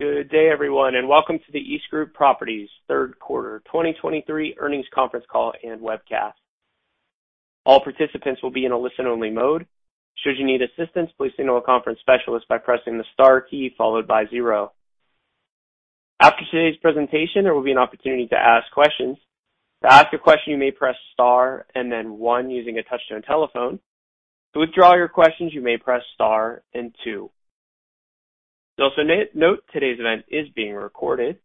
Good day, everyone, and welcome to the EastGroup Properties third quarter 2023 earnings conference call and webcast. All participants will be in a listen-only mode. Should you need assistance, please signal a conference specialist by pressing the star key followed by zero. After today's presentation, there will be an opportunity to ask questions. To ask a question, you may press star and then one using a touchtone telephone. To withdraw your questions, you may press star and two. Also, note, today's event is being recorded.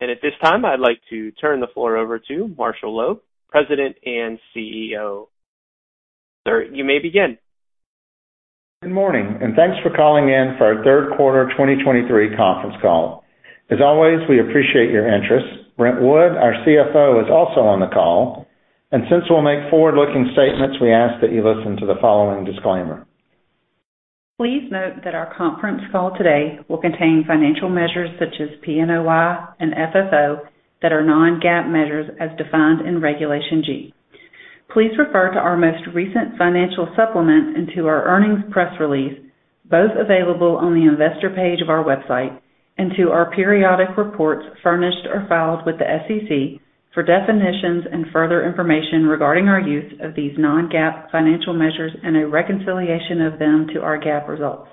And at this time, I'd like to turn the floor over to Marshall Loeb, President and CEO. Sir, you may begin. Good morning, and thanks for calling in for our third quarter 2023 conference call. As always, we appreciate your interest. Brent Wood, our CFO, is also on the call, and since we'll make forward-looking statements, we ask that you listen to the following disclaimer. Please note that our conference call today will contain financial measures such as PNOI and FFO that are non-GAAP measures as defined in Regulation G. Please refer to our most recent financial supplement and to our earnings press release, both available on the Investor page of our website, and to our periodic reports furnished or filed with the SEC for definitions and further information regarding our use of these non-GAAP financial measures and a reconciliation of them to our GAAP results.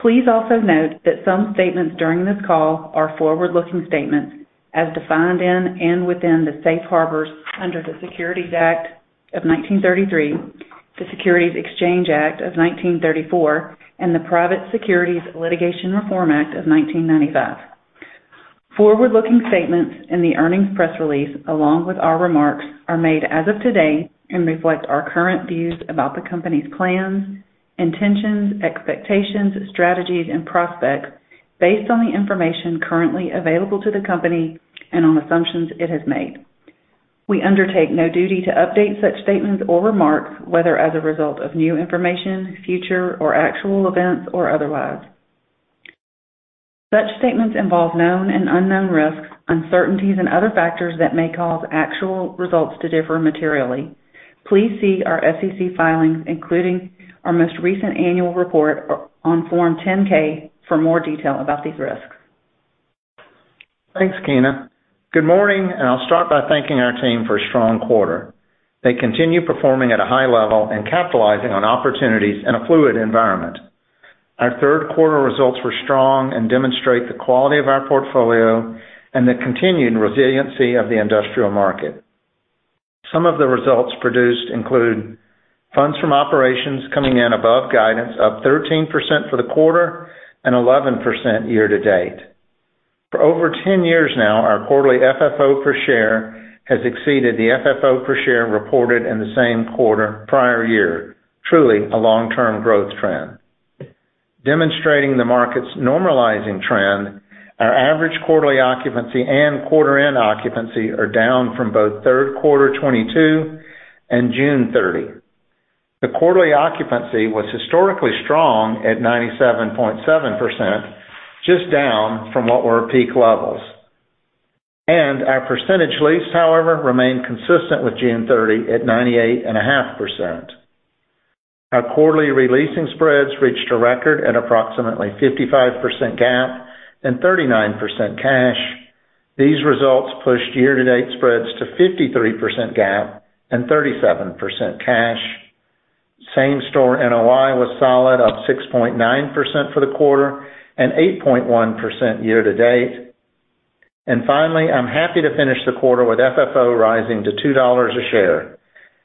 Please also note that some statements during this call are forward-looking statements as defined in and within the Safe Harbors under the Securities Act of 1933, the Securities Exchange Act of 1934, and the Private Securities Litigation Reform Act of 1995. Forward-looking statements in the earnings press release, along with our remarks, are made as of today and reflect our current views about the company's plans, intentions, expectations, strategies, and prospects based on the information currently available to the company and on assumptions it has made. We undertake no duty to update such statements or remarks, whether as a result of new information, future or actual events, or otherwise. Such statements involve known and unknown risks, uncertainties, and other factors that may cause actual results to differ materially. Please see our SEC filings, including our most recent annual report, on Form 10-K, for more detail about these risks. Thanks, Keena. Good morning, and I'll start by thanking our team for a strong quarter. They continue performing at a high level and capitalizing on opportunities in a fluid environment. Our third quarter results were strong and demonstrate the quality of our portfolio and the continued resiliency of the industrial market. Some of the results produced include funds from operations coming in above guidance, up 13% for the quarter and 11% year-to-date. For over 10 years now, our quarterly FFO per share has exceeded the FFO per share reported in the same quarter prior year. Truly a long-term growth trend. Demonstrating the market's normalizing trend, our average quarterly occupancy and quarter-end occupancy are down from both third quarter 2022 and June 30. The quarterly occupancy was historically strong at 97.7%, just down from what were peak levels. Our percent leased, however, remained consistent with June 30, at 98.5%. Our quarterly re-leasing spreads reached a record at approximately 55% GAAP and 39% cash. These results pushed year-to-date spreads to 53% GAAP and 37% cash. Same-store NOI was solid, up 6.9% for the quarter and 8.1% year-to-date. And finally, I'm happy to finish the quarter with FFO rising to $2 a share.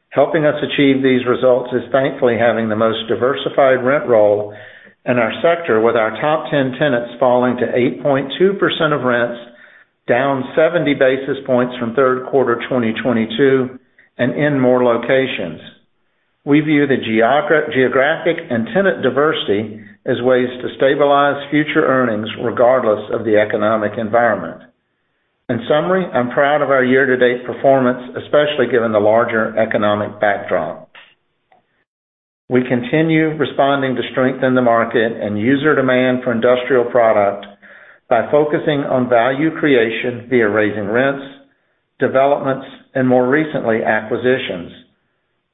Helping us achieve these results is thankfully having the most diversified rent roll in our sector, with our top ten tenants falling to 8.2% of rents, down 70 basis points from third quarter 2022 and in more locations. We view the geographic and tenant diversity as ways to stabilize future earnings, regardless of the economic environment. In summary, I'm proud of our year-to-date performance, especially given the larger economic backdrop. We continue responding to strength in the market and user demand for industrial product by focusing on value creation via raising rents, developments and, more recently, acquisitions.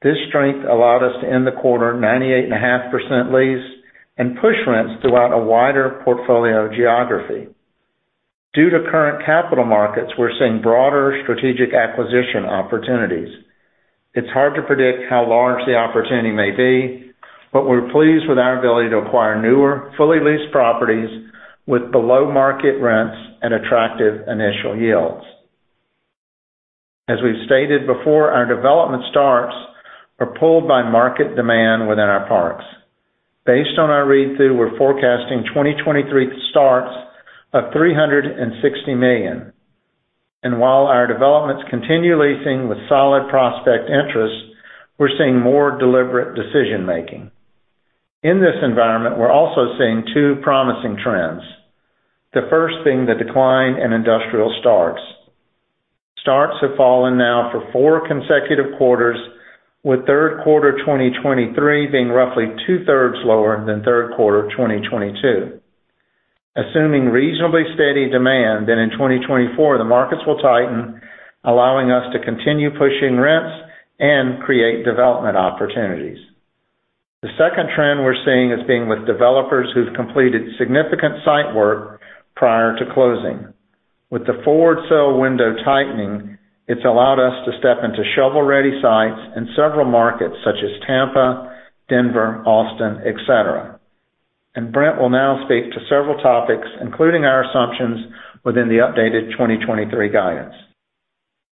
This strength allowed us to end the quarter 98.5% leased and push rents throughout a wider portfolio geography. Due to current capital markets, we're seeing broader strategic acquisition opportunities. It's hard to predict how large the opportunity may be, but we're pleased with our ability to acquire newer, fully leased properties with below-market rents and attractive initial yields. As we've stated before, our development starts are pulled by market demand within our parks. Based on our read-through, we're forecasting 2023 starts of $360 million. While our developments continue leasing with solid prospect interest, we're seeing more deliberate decision making. In this environment, we're also seeing two promising trends. The first being the decline in industrial starts. Starts have fallen now for four consecutive quarters, with third quarter 2023 being roughly two-thirds lower than third quarter 2022.... assuming reasonably steady demand, then in 2024, the markets will tighten, allowing us to continue pushing rents and create development opportunities. The second trend we're seeing is being with developers who've completed significant site work prior to closing. With the forward sale window tightening, it's allowed us to step into shovel-ready sites in several markets, such as Tampa, Denver, Austin, et cetera. Brent will now speak to several topics, including our assumptions within the updated 2023 guidance.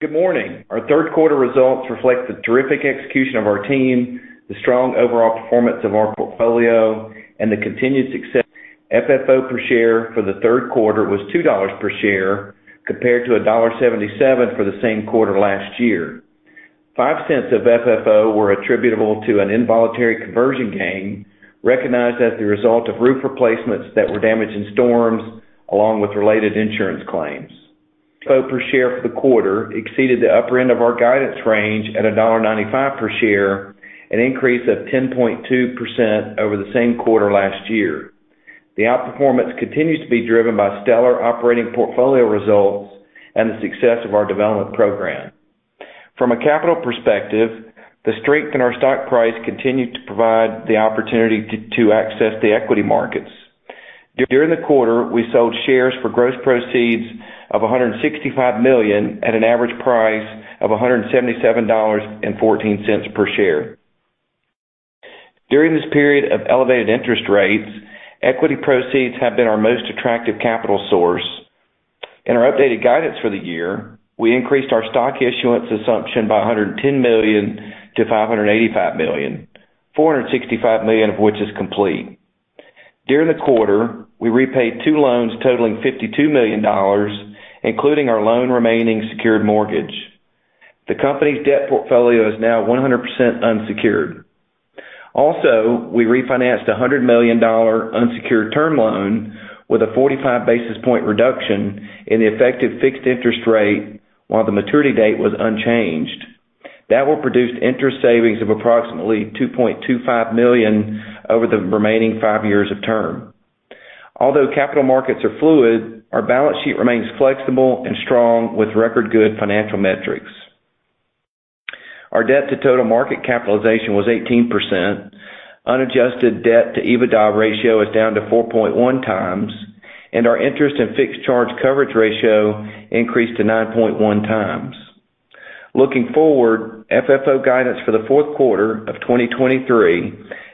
Good morning. Our third quarter results reflect the terrific execution of our team, the strong overall performance of our portfolio, and the continued success. FFO per share for the third quarter was $2 per share, compared to $1.77 for the same quarter last year. $0.05 of FFO were attributable to an involuntary conversion gain, recognized as the result of roof replacements that were damaged in storms, along with related insurance claims. FFO per share for the quarter exceeded the upper end of our guidance range at $1.95 per share, an increase of 10.2% over the same quarter last year. The outperformance continues to be driven by stellar operating portfolio results and the success of our development program. From a capital perspective, the strength in our stock price continued to provide the opportunity to access the equity markets. During the quarter, we sold shares for gross proceeds of $165 million at an average price of $177.14 per share. During this period of elevated interest rates, equity proceeds have been our most attractive capital source. In our updated guidance for the year, we increased our stock issuance assumption by $110 million to $585 million, $465 million of which is complete. During the quarter, we repaid two loans totaling $52 million, including our loan remaining secured mortgage. The company's debt portfolio is now 100% unsecured. Also, we refinanced a $100 million unsecured term loan with a 45 basis point reduction in the effective fixed interest rate, while the maturity date was unchanged. That will produce interest savings of approximately $2.25 million over the remaining 5 years of term. Although capital markets are fluid, our balance sheet remains flexible and strong, with record good financial metrics. Our debt to total market capitalization was 18%. Unadjusted debt to EBITDA ratio is down to 4.1 times, and our interest and fixed charge coverage ratio increased to 9.1 times. Looking forward, FFO guidance for the fourth quarter of 2023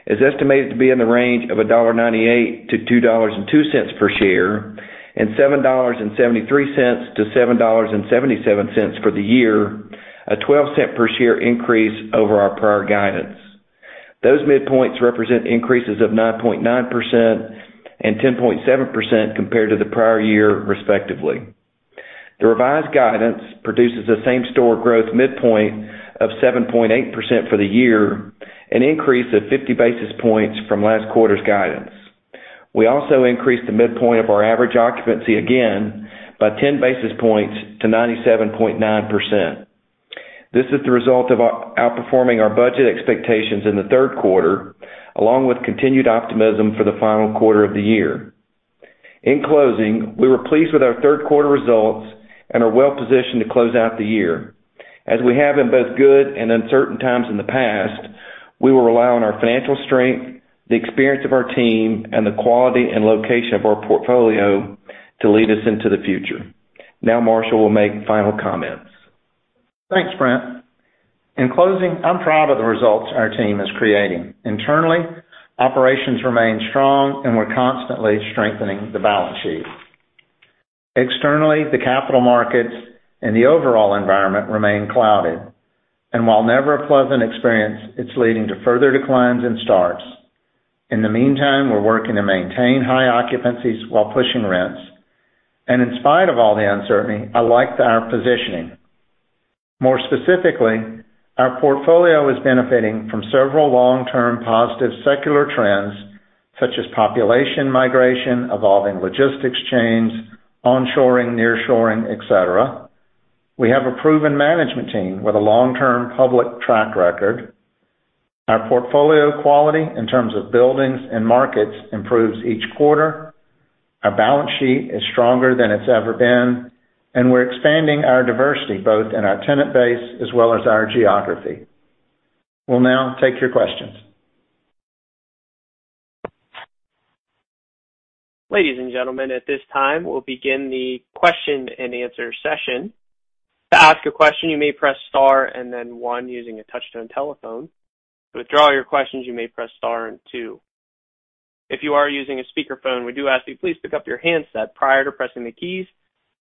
is estimated to be in the range of $1.98-$2.02 per share, and $7.73-$7.77 for the year, a 12-cent per share increase over our prior guidance. Those midpoints represent increases of 9.9% and 10.7% compared to the prior year, respectively. The revised guidance produces the same-store growth midpoint of 7.8% for the year, an increase of 50 basis points from last quarter's guidance. We also increased the midpoint of our average occupancy again by 10 basis points to 97.9%. This is the result of outperforming our budget expectations in the third quarter, along with continued optimism for the final quarter of the year. In closing, we were pleased with our third quarter results and are well positioned to close out the year. As we have in both good and uncertain times in the past, we will rely on our financial strength, the experience of our team, and the quality and location of our portfolio to lead us into the future. Now Marshall will make final comments. Thanks, Brent. In closing, I'm proud of the results our team is creating. Internally, operations remain strong, and we're constantly strengthening the balance sheet. Externally, the capital markets and the overall environment remain clouded, and while never a pleasant experience, it's leading to further declines in starts. In the meantime, we're working to maintain high occupancies while pushing rents. And in spite of all the uncertainty, I liked our positioning. More specifically, our portfolio is benefiting from several long-term positive secular trends, such as population migration, evolving logistics chains, onshoring, nearshoring, et cetera. We have a proven management team with a long-term public track record. Our portfolio quality, in terms of buildings and markets, improves each quarter. Our balance sheet is stronger than it's ever been, and we're expanding our diversity, both in our tenant base as well as our geography. We'll now take your questions. Ladies and gentlemen, at this time, we'll begin the question-and-answer session. To ask a question, you may press star and then one using a touch-tone telephone. To withdraw your questions, you may press star and two. If you are using a speakerphone, we do ask you please pick up your handset prior to pressing the keys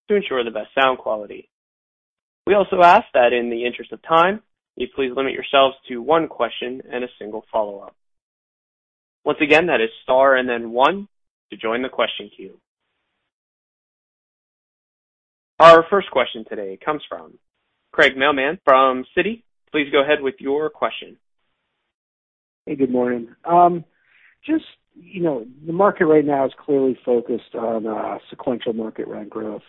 to ensure the best sound quality. We also ask that in the interest of time, you please limit yourselves to one question and a single follow-up. Once again, that is star and then one to join the question queue. Our first question today comes from Craig Mailman from Citi. Please go ahead with your question. Hey, good morning. Just, you know, the market right now is clearly focused on sequential market rent growth.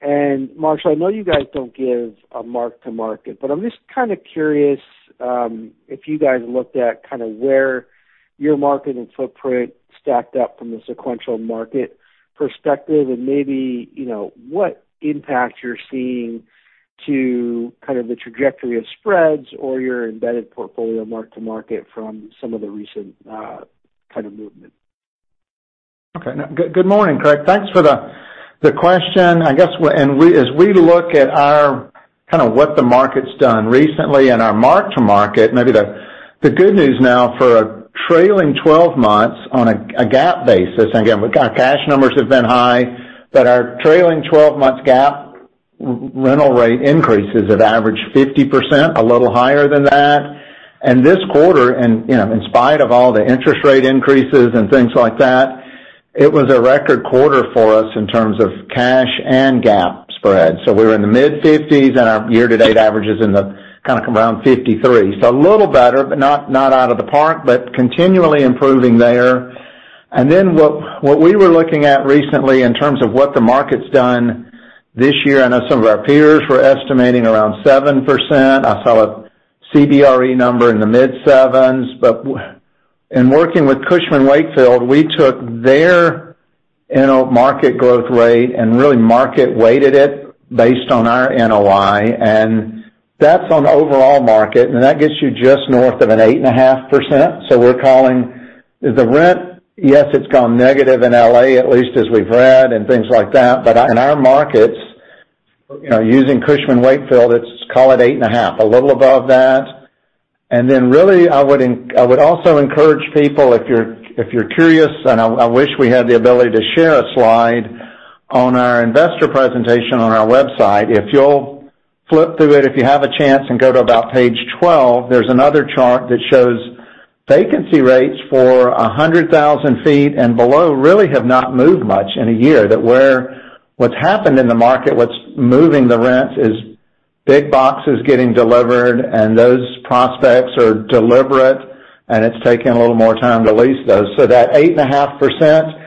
And Marshall, I know you guys don't give a mark to market, but I'm just kind of curious if you guys looked at kind of where your market and footprint stacked up from the sequential market perspective and maybe, you know, what impact you're seeing to kind of the trajectory of spreads or your embedded portfolio mark to market from some of the recent kind of movement? Okay. Now, good morning, Craig. Thanks for the question. I guess we—and we, as we look at our kind of what the market's done recently and our mark-to-market, maybe the good news now for a trailing twelve months on a GAAP basis, again, we've got cash numbers have been high, but our trailing twelve months GAAP rental rate increases have averaged 50%, a little higher than that. And this quarter, you know, in spite of all the interest rate increases and things like that, it was a record quarter for us in terms of cash and GAAP spread. So we're in the mid-50s%, and our year-to-date average is in the kind of around 53%. So a little better, but not out of the park, but continually improving there. Then what we were looking at recently in terms of what the market's done this year, I know some of our peers were estimating around 7%. I saw a CBRE number in the mid-7s, but in working with Cushman & Wakefield, we took their NOI market growth rate and really market weighted it based on our NOI, and that's on the overall market, and that gets you just north of an 8.5%. So we're calling... The rent, yes, it's gone negative in L.A., at least as we've read and things like that, but in our markets, you know, using Cushman & Wakefield, it's, call it 8.5, a little above that. Then, really, I would also encourage people, if you're curious, and I wish we had the ability to share a slide, on our investor presentation on our website, if you'll flip through it, if you have a chance, and go to about page 12, there's another chart that shows vacancy rates for 100,000 sq ft and below really have not moved much in a year. That's where what's happened in the market, what's moving the rents is big boxes getting delivered, and those prospects are deliberate, and it's taking a little more time to lease those. So that 8.5%,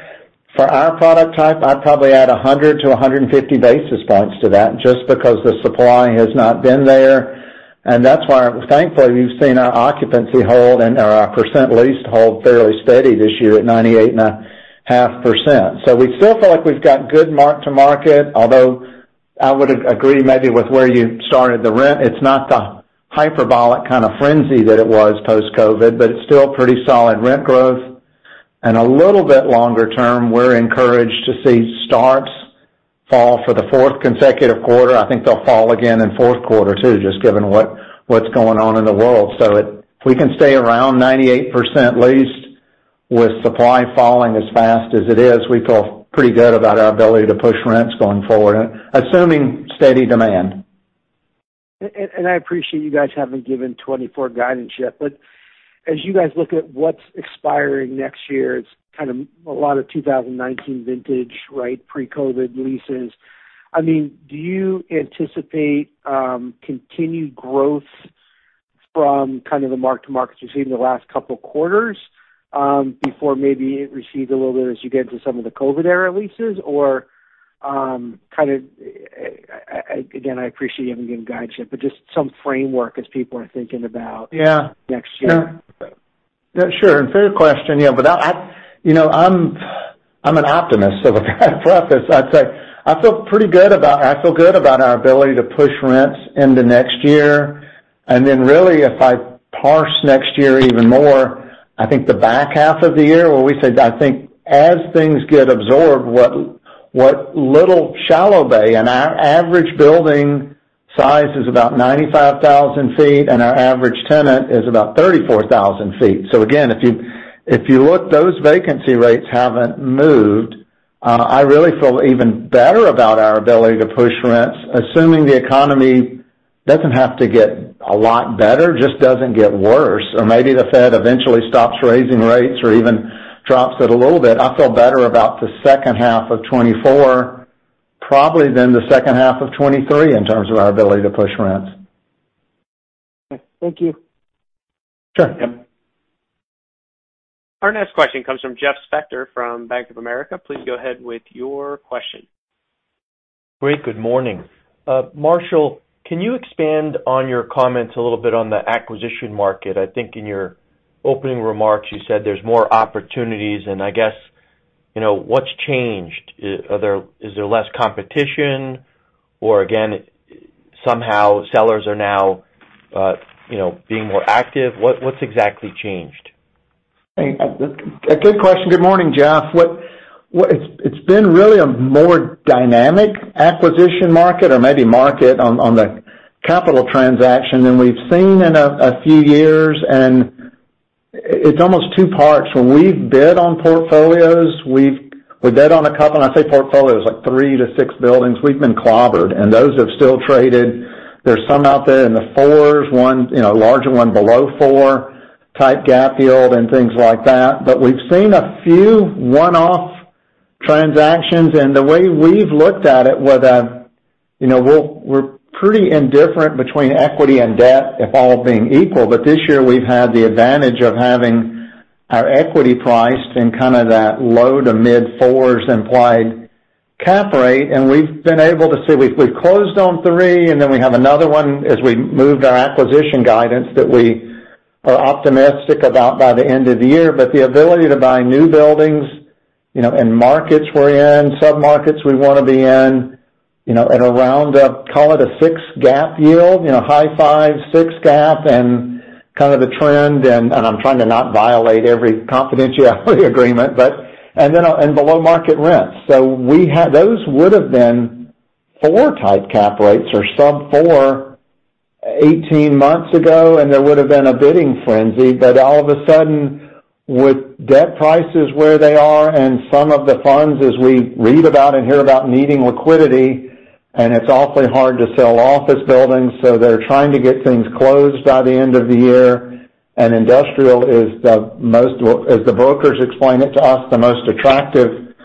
for our product type, I'd probably add 100 to 150 basis points to that, just because the supply has not been there. And that's why, thankfully, we've seen our occupancy hold and our, our percent leased hold fairly steady this year at 98.5%. So we still feel like we've got good mark to market, although I would agree maybe with where you started the rent. It's not the hyperbolic kind of frenzy that it was post-COVID, but it's still pretty solid rent growth. And a little bit longer term, we're encouraged to see starts fall for the fourth consecutive quarter. I think they'll fall again in fourth quarter, too, just given what, what's going on in the world. So it – if we can stay around 98% leased with supply falling as fast as it is, we feel pretty good about our ability to push rents going forward, assuming steady demand. I appreciate you guys haven't given 2024 guidance yet, but as you guys look at what's expiring next year, it's kind of a lot of 2019 vintage, right? Pre-COVID leases. I mean, do you anticipate continued growth from kind of the mark-to-markets you've seen in the last couple of quarters before maybe it recedes a little bit as you get into some of the COVID-era leases? Or, kind of, again, I appreciate you haven't given guidance yet, but just some framework as people are thinking about- Yeah. -next year. Yeah, sure. Fair question. Yeah, but I, I, you know, I'm, I'm an optimist, so as I preface, I'd say, I feel pretty good about... I feel good about our ability to push rents into next year. And then really, if I parse next year even more, I think the back half of the year, where we said, I think as things get absorbed, what, what little shallow bay, and our average building size is about 95,000 feet, and our average tenant is about 34,000 feet. So again, if you, if you look, those vacancy rates haven't moved. I really feel even better about our ability to push rents, assuming the economy doesn't have to get a lot better, just doesn't get worse, or maybe the Fed eventually stops raising rates or even drops it a little bit. I feel better about the second half of 2024, probably than the second half of 2023 in terms of our ability to push rents. Thank you. Sure. Our next question comes from Jeff Spector from Bank of America. Please go ahead with your question. Great, good morning. Marshall, can you expand on your comments a little bit on the acquisition market? I think in your opening remarks, you said there's more opportunities, and I guess, you know, what's changed? Is there less competition? Or again, somehow sellers are now, you know, being more active. What's exactly changed? A good question. Good morning, Jeff. What—it's been really a more dynamic acquisition market or maybe market on the capital transaction than we've seen in a few years, and it's almost two parts. When we've bid on portfolios, we bid on a couple, and I say portfolios, like 3-6 buildings, we've been clobbered, and those have still traded. There's some out there in the 4s, one, you know, larger one below 4, type cap yield and things like that. But we've seen a few one-off transactions, and the way we've looked at it, whether, you know, we're pretty indifferent between equity and debt, if all being equal, but this year, we've had the advantage of having our equity priced in kind of that low-to-mid 4s implied cap rate, and we've been able to see. We've closed on 3, and then we have another one as we moved our acquisition guidance that we are optimistic about by the end of the year. But the ability to buy new buildings, you know, and markets we're in, submarkets we wanna be in, you know, at a round up, call it a 6 cap yield, you know, high 5, 6 cap, and kind of the trend, and I'm trying to not violate every confidentiality agreement, but and then below market rents. So we have those would've been 4 cap rates or sub-4, 18 months ago, and there would've been a bidding frenzy. But all of a sudden, with debt prices where they are and some of the funds, as we read about and hear about, needing liquidity, and it's awfully hard to sell office buildings, so they're trying to get things closed by the end of the year. And industrial is the most, as the brokers explain it to us, the most attractive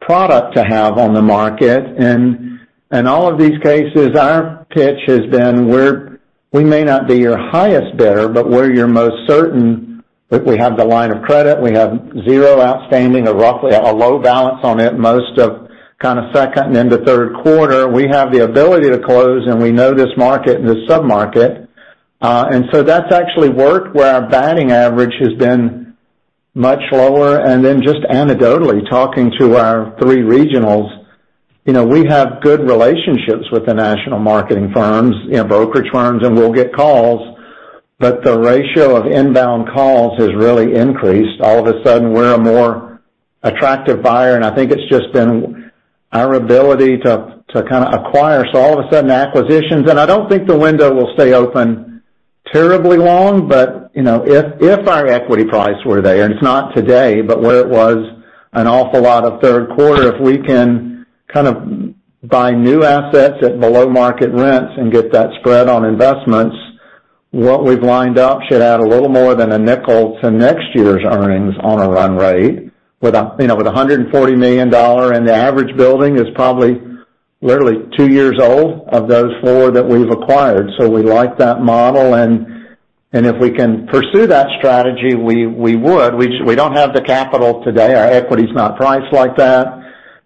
product to have on the market. And, and all of these cases, our pitch has been, we're, we may not be your highest bidder, but we're your most certain, that we have the line of credit, we have zero outstanding or roughly a low balance on it, most of kind of second and into third quarter. We have the ability to close, and we know this market and this submarket. And so that's actually worked, where our batting average has been much lower. And then just anecdotally, talking to our three regionals, you know, we have good relationships with the national marketing firms, you know, brokerage firms, and we'll get calls, but the ratio of inbound calls has really increased. All of a sudden, we're a more attractive buyer, and I think it's just been our ability to kind of acquire. So all of a sudden, acquisitions. And I don't think the window will stay open terribly long, but, you know, if our equity price were there, and it's not today, but where it was an awful lot of third quarter, if we can kind of buy new assets at below market rents and get that spread on investments, what we've lined up should add a little more than a nickel to next year's earnings on a run rate, with a, you know, with a $140 million, and the average building is probably literally two years old of those 4 that we've acquired. So we like that model, and if we can pursue that strategy, we would. We don't have the capital today. Our equity's not priced like that,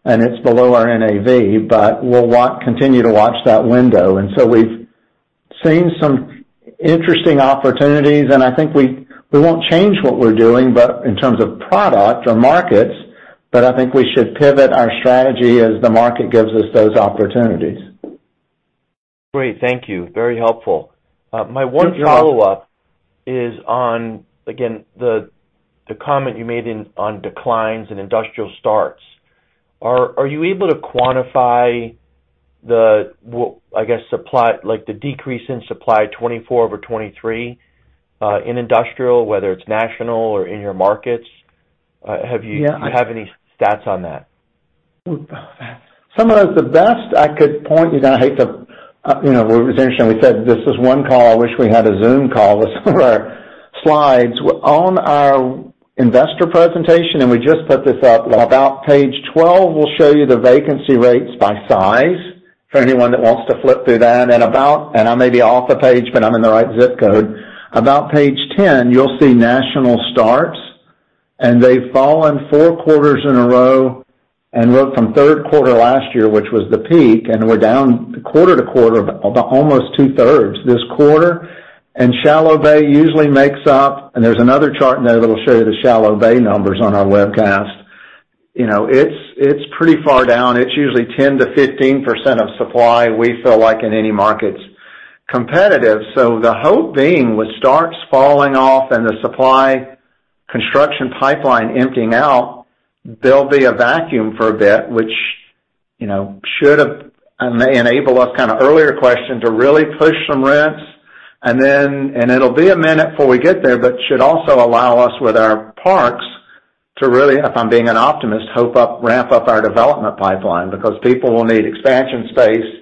and it's below our NAV, but we'll continue to watch that window. So we've seen some interesting opportunities, and I think we won't change what we're doing, but in terms of product or markets, I think we should pivot our strategy as the market gives us those opportunities. Great. Thank you. Very helpful. My one follow-up is on, again, the comment you made on declines in industrial starts. Are you able to quantify, well, I guess, supply, like the decrease in supply 2024 over 2023, in industrial, whether it's national or in your markets? Have you- Yeah. Do you have any stats on that? Some of the best I could point you to, I hate to, you know, we originally said, this is one call. I wish we had a Zoom call with some of our slides. On our investor presentation, and we just put this up, about page 12 will show you the vacancy rates by size, for anyone that wants to flip through that. I may be off the page, but I'm in the right zip code. About page 10, you'll see national starts, and they've fallen 4 quarters in a row and looked from third quarter last year, which was the peak, and we're down quarter to quarter, about almost 2/3 this quarter. And shallow bay usually makes up, and there's another chart in there that'll show you the shallow bay numbers on our webcast. You know, it's, it's pretty far down. It's usually 10%-15% of supply we feel like in any market's competitive. So the hope being, with starts falling off and the supply construction pipeline emptying out, there'll be a vacuum for a bit, which, you know, should have enable us, kind of, earlier question, to really push some rents. And then, and it'll be a minute before we get there, but should also allow us with our parks, to really, if I'm being an optimist, hope up, ramp up our development pipeline, because people will need expansion space,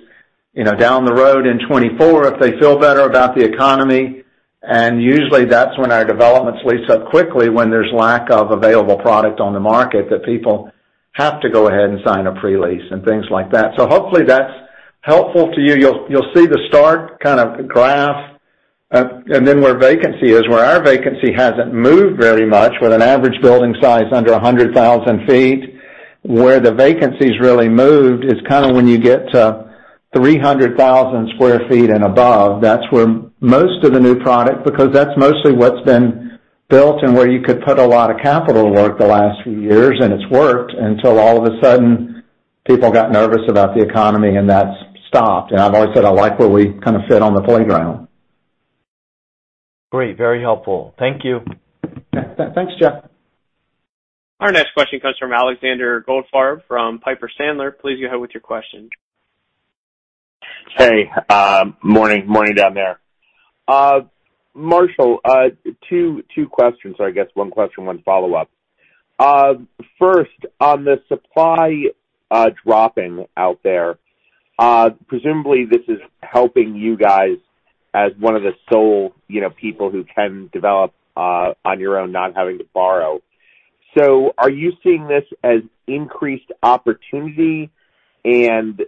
you know, down the road in 2024, if they feel better about the economy. And usually, that's when our developments lease up quickly, when there's lack of available product on the market, that people have to go ahead and sign a pre-lease and things like that. So hopefully, that's helpful to you. You'll, you'll see the start, kind of, graph, and then where vacancy is, where our vacancy hasn't moved very much with an average building size under 100,000 sq ft. Where the vacancy's really moved is kind of when you get to 300,000 sq ft and above. That's where most of the new product, because that's mostly what's been built and where you could put a lot of capital work the last few years, and it's worked, until all of a sudden, people got nervous about the economy and that's stopped. And I've always said, I like where we kind of fit on the playground. Great. Very helpful. Thank you. Thanks, Jeff. Our next question comes from Alexander Goldfarb, from Piper Sandler. Please go ahead with your question. Hey, morning, morning down there. Marshall, two questions, or I guess one question, one follow-up. First, on the supply dropping out there, presumably this is helping you guys as one of the sole, you know, people who can develop on your own, not having to borrow. So are you seeing this as increased opportunity and you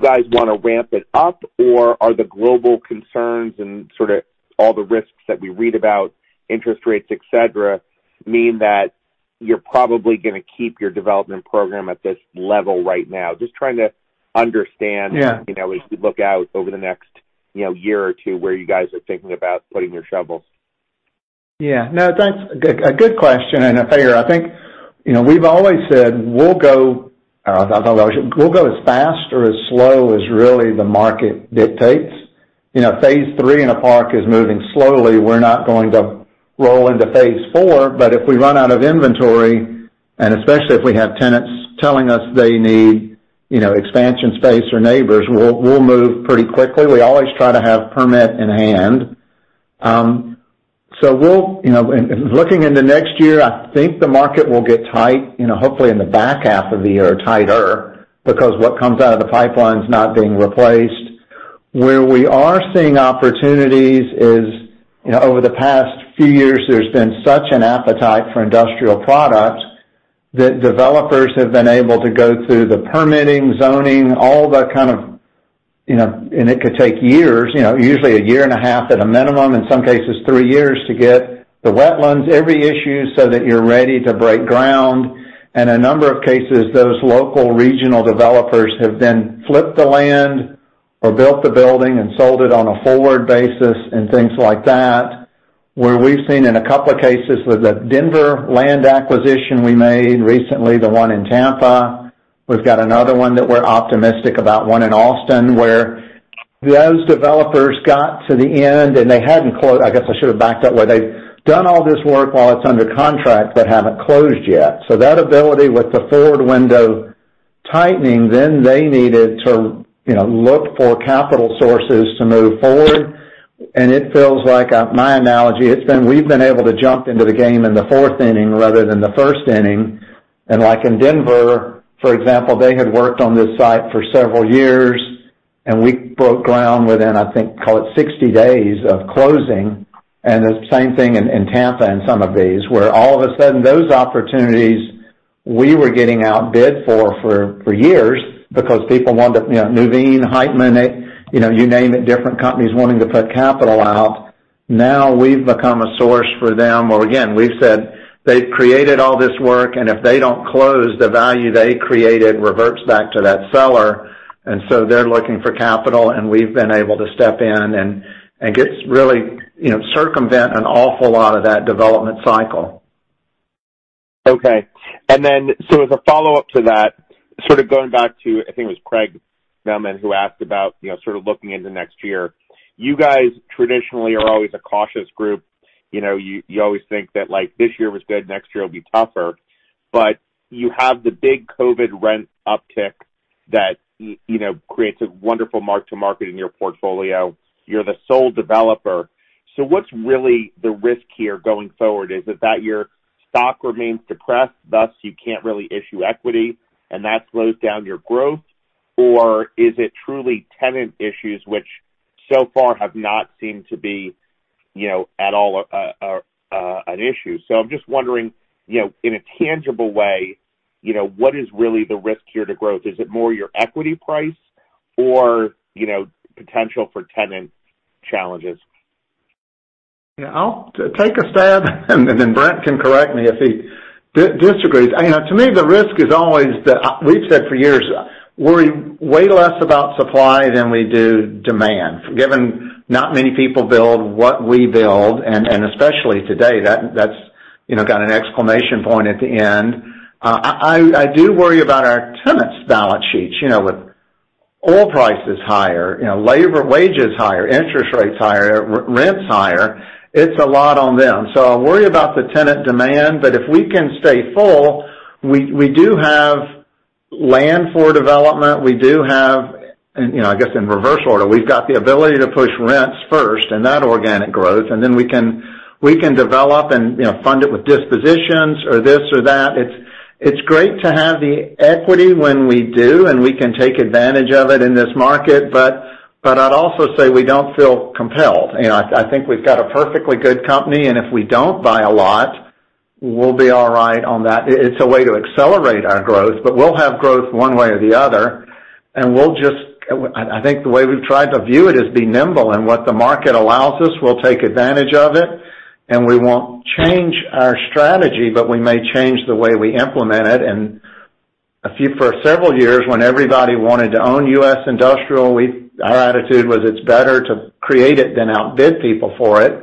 guys wanna ramp it up? Or are the global concerns and sort of all the risks that we read about, interest rates, et cetera, mean that you're probably gonna keep your development program at this level right now? Just trying to understand- Yeah... you know, as we look out over the next, you know, year or two, where you guys are thinking about putting your shovels.... Yeah, no, that's a good, a good question, and I figure, I think, you know, we've always said, we'll go, we'll go as fast or as slow as really the market dictates. You know, phase three in a park is moving slowly. We're not going to roll into phase four, but if we run out of inventory, and especially if we have tenants telling us they need, you know, expansion space or neighbors, we'll, we'll move pretty quickly. We always try to have permit in hand. So we'll, you know, and looking into next year, I think the market will get tight, you know, hopefully in the back half of the year, tighter, because what comes out of the pipeline is not being replaced. Where we are seeing opportunities is, you know, over the past few years, there's been such an appetite for industrial product, that developers have been able to go through the permitting, zoning, all the kind of, you know, and it could take years, you know, usually a year and a half at a minimum, in some cases, three years, to get the wetlands, every issue, so that you're ready to break ground. And a number of cases, those local regional developers have then flipped the land or built the building and sold it on a forward basis and things like that, where we've seen in a couple of cases, with the Denver land acquisition we made recently, the one in Tampa. We've got another one that we're optimistic about, one in Austin, where those developers got to the end, and they hadn't closed. I guess I should have backed up, where they've done all this work while it's under contract, but haven't closed yet. So that ability with the forward window tightening, then they needed to, you know, look for capital sources to move forward. And it feels like, my analogy, it's been—we've been able to jump into the game in the fourth inning rather than the first inning. And like in Denver, for example, they had worked on this site for several years, and we broke ground within, I think, call it 60 days of closing. The same thing in Tampa and some of these, where all of a sudden, those opportunities we were getting outbid for years because people wanted, you know, Nuveen, Heitman, you know, you name it, different companies wanting to put capital out. Now, we've become a source for them, where, again, we've said they've created all this work, and if they don't close, the value they created reverts back to that seller, and so they're looking for capital, and we've been able to step in and get really, you know, circumvent an awful lot of that development cycle. Okay, and then, so as a follow-up to that, sort of going back to, I think it was Craig Mailman, who asked about, you know, sort of looking into next year. You guys traditionally are always a cautious group. You know, you, you always think that, like, this year was good, next year will be tougher. But you have the big COVID rent uptick that, you know, creates a wonderful mark to market in your portfolio. You're the sole developer. So what's really the risk here going forward? Is it that your stock remains depressed, thus you can't really issue equity, and that slows down your growth? Or is it truly tenant issues, which so far have not seemed to be, you know, at all, an issue? I'm just wondering, you know, in a tangible way, you know, what is really the risk here to growth? Is it more your equity price or, you know, potential for tenant challenges? Yeah, I'll take a stab, and then Brent can correct me if he disagrees. You know, to me, the risk is always that we've said for years, worry way less about supply than we do demand, given not many people build what we build, and especially today, that's got an exclamation point at the end. I do worry about our tenants' balance sheets, you know, with oil prices higher, you know, labor wages higher, interest rates higher, rents higher, it's a lot on them. So I worry about the tenant demand, but if we can stay full, we do have land for development. We do have, and, you know, I guess in reverse order, we've got the ability to push rents first and that organic growth, and then we can develop and, you know, fund it with dispositions or this or that. It's great to have the equity when we do, and we can take advantage of it in this market, but I'd also say we don't feel compelled. You know, I think we've got a perfectly good company, and if we don't buy a lot, we'll be all right on that. It's a way to accelerate our growth, but we'll have growth one way or the other, and we'll just—I think the way we've tried to view it is be nimble, and what the market allows us, we'll take advantage of it, and we won't change our strategy, but we may change the way we implement it. For several years, when everybody wanted to own U.S. industrial, our attitude was it's better to create it than outbid people for it.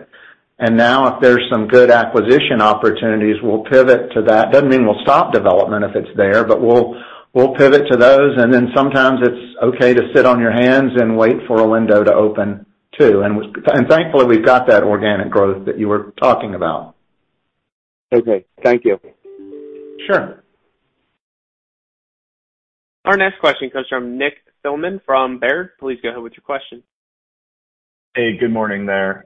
And now, if there's some good acquisition opportunities, we'll pivot to that. Doesn't mean we'll stop development if it's there, but we'll pivot to those, and then sometimes it's okay to sit on your hands and wait for a window to open, too. And thankfully, we've got that organic growth that you were talking about. Okay, thank you. Sure. Our next question comes from Nick Thillman from Baird. Please go ahead with your question. Hey, good morning there.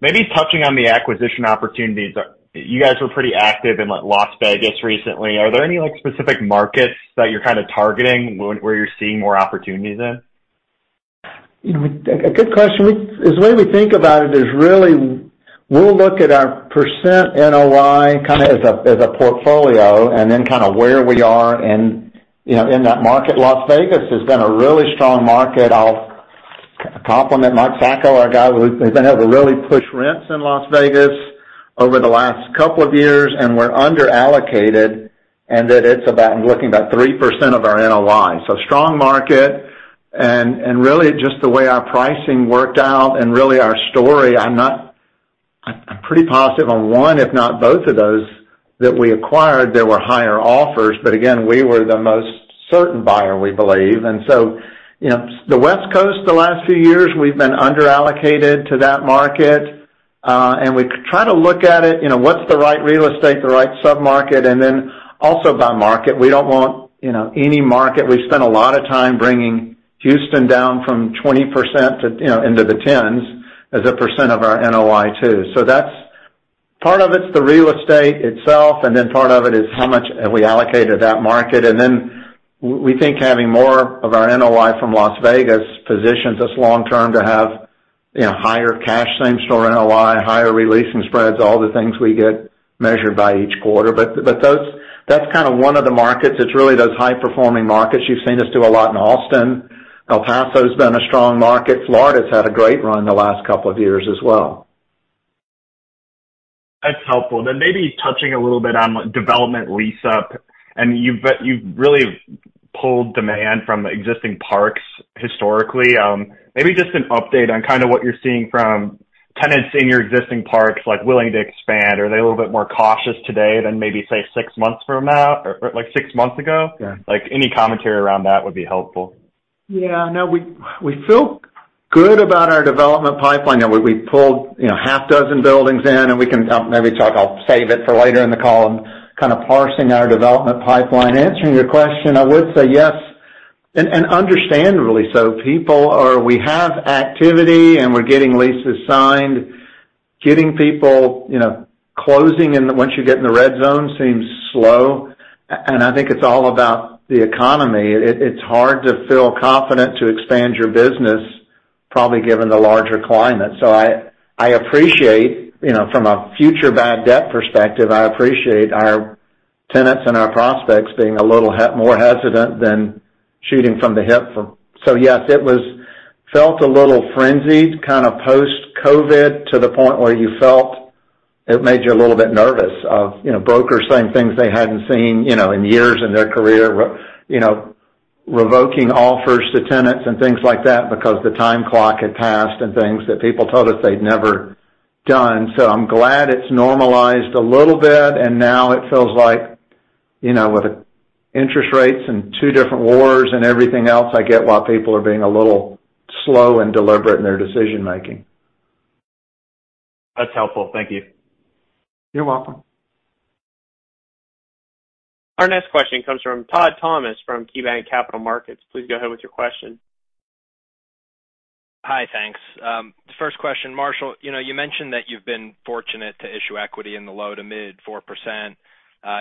Maybe touching on the acquisition opportunities, you guys were pretty active in, like, Las Vegas recently. Are there any, like, specific markets that you're kind of targeting, where you're seeing more opportunities in? You know, a good question. We, as the way we think about it is really, we'll look at our percent NOI kind of as a, as a portfolio and then kind of where we are in, you know, in that market. Las Vegas has been a really strong market. I'll compliment Mark Sacco, our guy, who's been able to really push rents in Las Vegas over the last couple of years, and we're underallocated, and that it's about, I'm looking about 3% of our NOI. So strong market. And really just the way our pricing worked out and really our story, I'm pretty positive on one, if not both of those, that we acquired, there were higher offers, but again, we were the most certain buyer, we believe. And so, you know, the West Coast, the last few years, we've been under-allocated to that market, and we try to look at it, you know, what's the right real estate, the right sub-market, and then also by market. We don't want, you know, any market. We've spent a lot of time bringing Houston down from 20% to, you know, into the tens, as a percent of our NOI too. So that's. Part of it's the real estate itself, and then part of it is how much have we allocated that market. And then we think having more of our NOI from Las Vegas positions us long term to have, you know, higher cash same-store NOI, higher releasing spreads, all the things we get measured by each quarter. But, but that's kind of one of the markets. It's really those high-performing markets. You've seen us do a lot in Austin. El Paso's been a strong market. Florida's had a great run the last couple of years as well. That's helpful. Then maybe touching a little bit on development lease up, and you've really pulled demand from existing parks historically. Maybe just an update on kind of what you're seeing from tenants in your existing parks, like, willing to expand. Are they a little bit more cautious today than maybe, say, six months from now, or like six months ago? Yeah. Like, any commentary around that would be helpful. Yeah. No, we feel good about our development pipeline. Now, we pulled, you know, half dozen buildings in, and we can maybe talk. I'll save it for later in the call, and kind of parsing our development pipeline. Answering your question, I would say yes, and understandably so. People are - we have activity, and we're getting leases signed, getting people, you know, closing, and once you get in the red zone, seems slow. And I think it's all about the economy. It's hard to feel confident to expand your business, probably given the larger climate. So I appreciate, you know, from a future bad debt perspective, I appreciate our tenants and our prospects being a little more hesitant than shooting from the hip from... So yes, it was, felt a little frenzied, kind of post-COVID, to the point where you felt it made you a little bit nervous of, you know, brokers saying things they hadn't seen, you know, in years in their career, you know, revoking offers to tenants and things like that, because the time clock had passed, and things that people told us they'd never done. So I'm glad it's normalized a little bit, and now it feels like, you know, with the interest rates and two different wars and everything else, I get why people are being a little slow and deliberate in their decision making. That's helpful. Thank you. You're welcome. Our next question comes from Todd Thomas, from KeyBanc Capital Markets. Please go ahead with your question. Hi, thanks. First question, Marshall, you know, you mentioned that you've been fortunate to issue equity in the low-to-mid 4%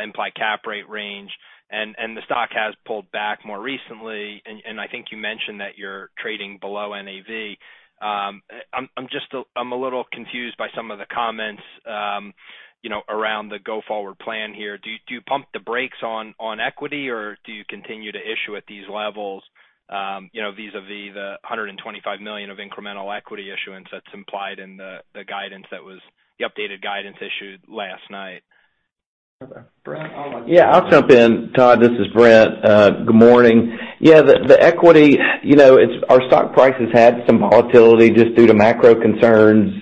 implied cap rate range, and the stock has pulled back more recently. I think you mentioned that you're trading below NAV. I'm just a little confused by some of the comments, you know, around the go-forward plan here. Do you pump the brakes on equity, or do you continue to issue at these levels, you know, vis-a-vis the $125 million of incremental equity issuance that's implied in the guidance that was the updated guidance issued last night? Brent, I'll let you- Yeah, I'll jump in, Todd. This is Brent. Good morning. Yeah, the equity, you know, it's our stock price has had some volatility just due to macro concerns,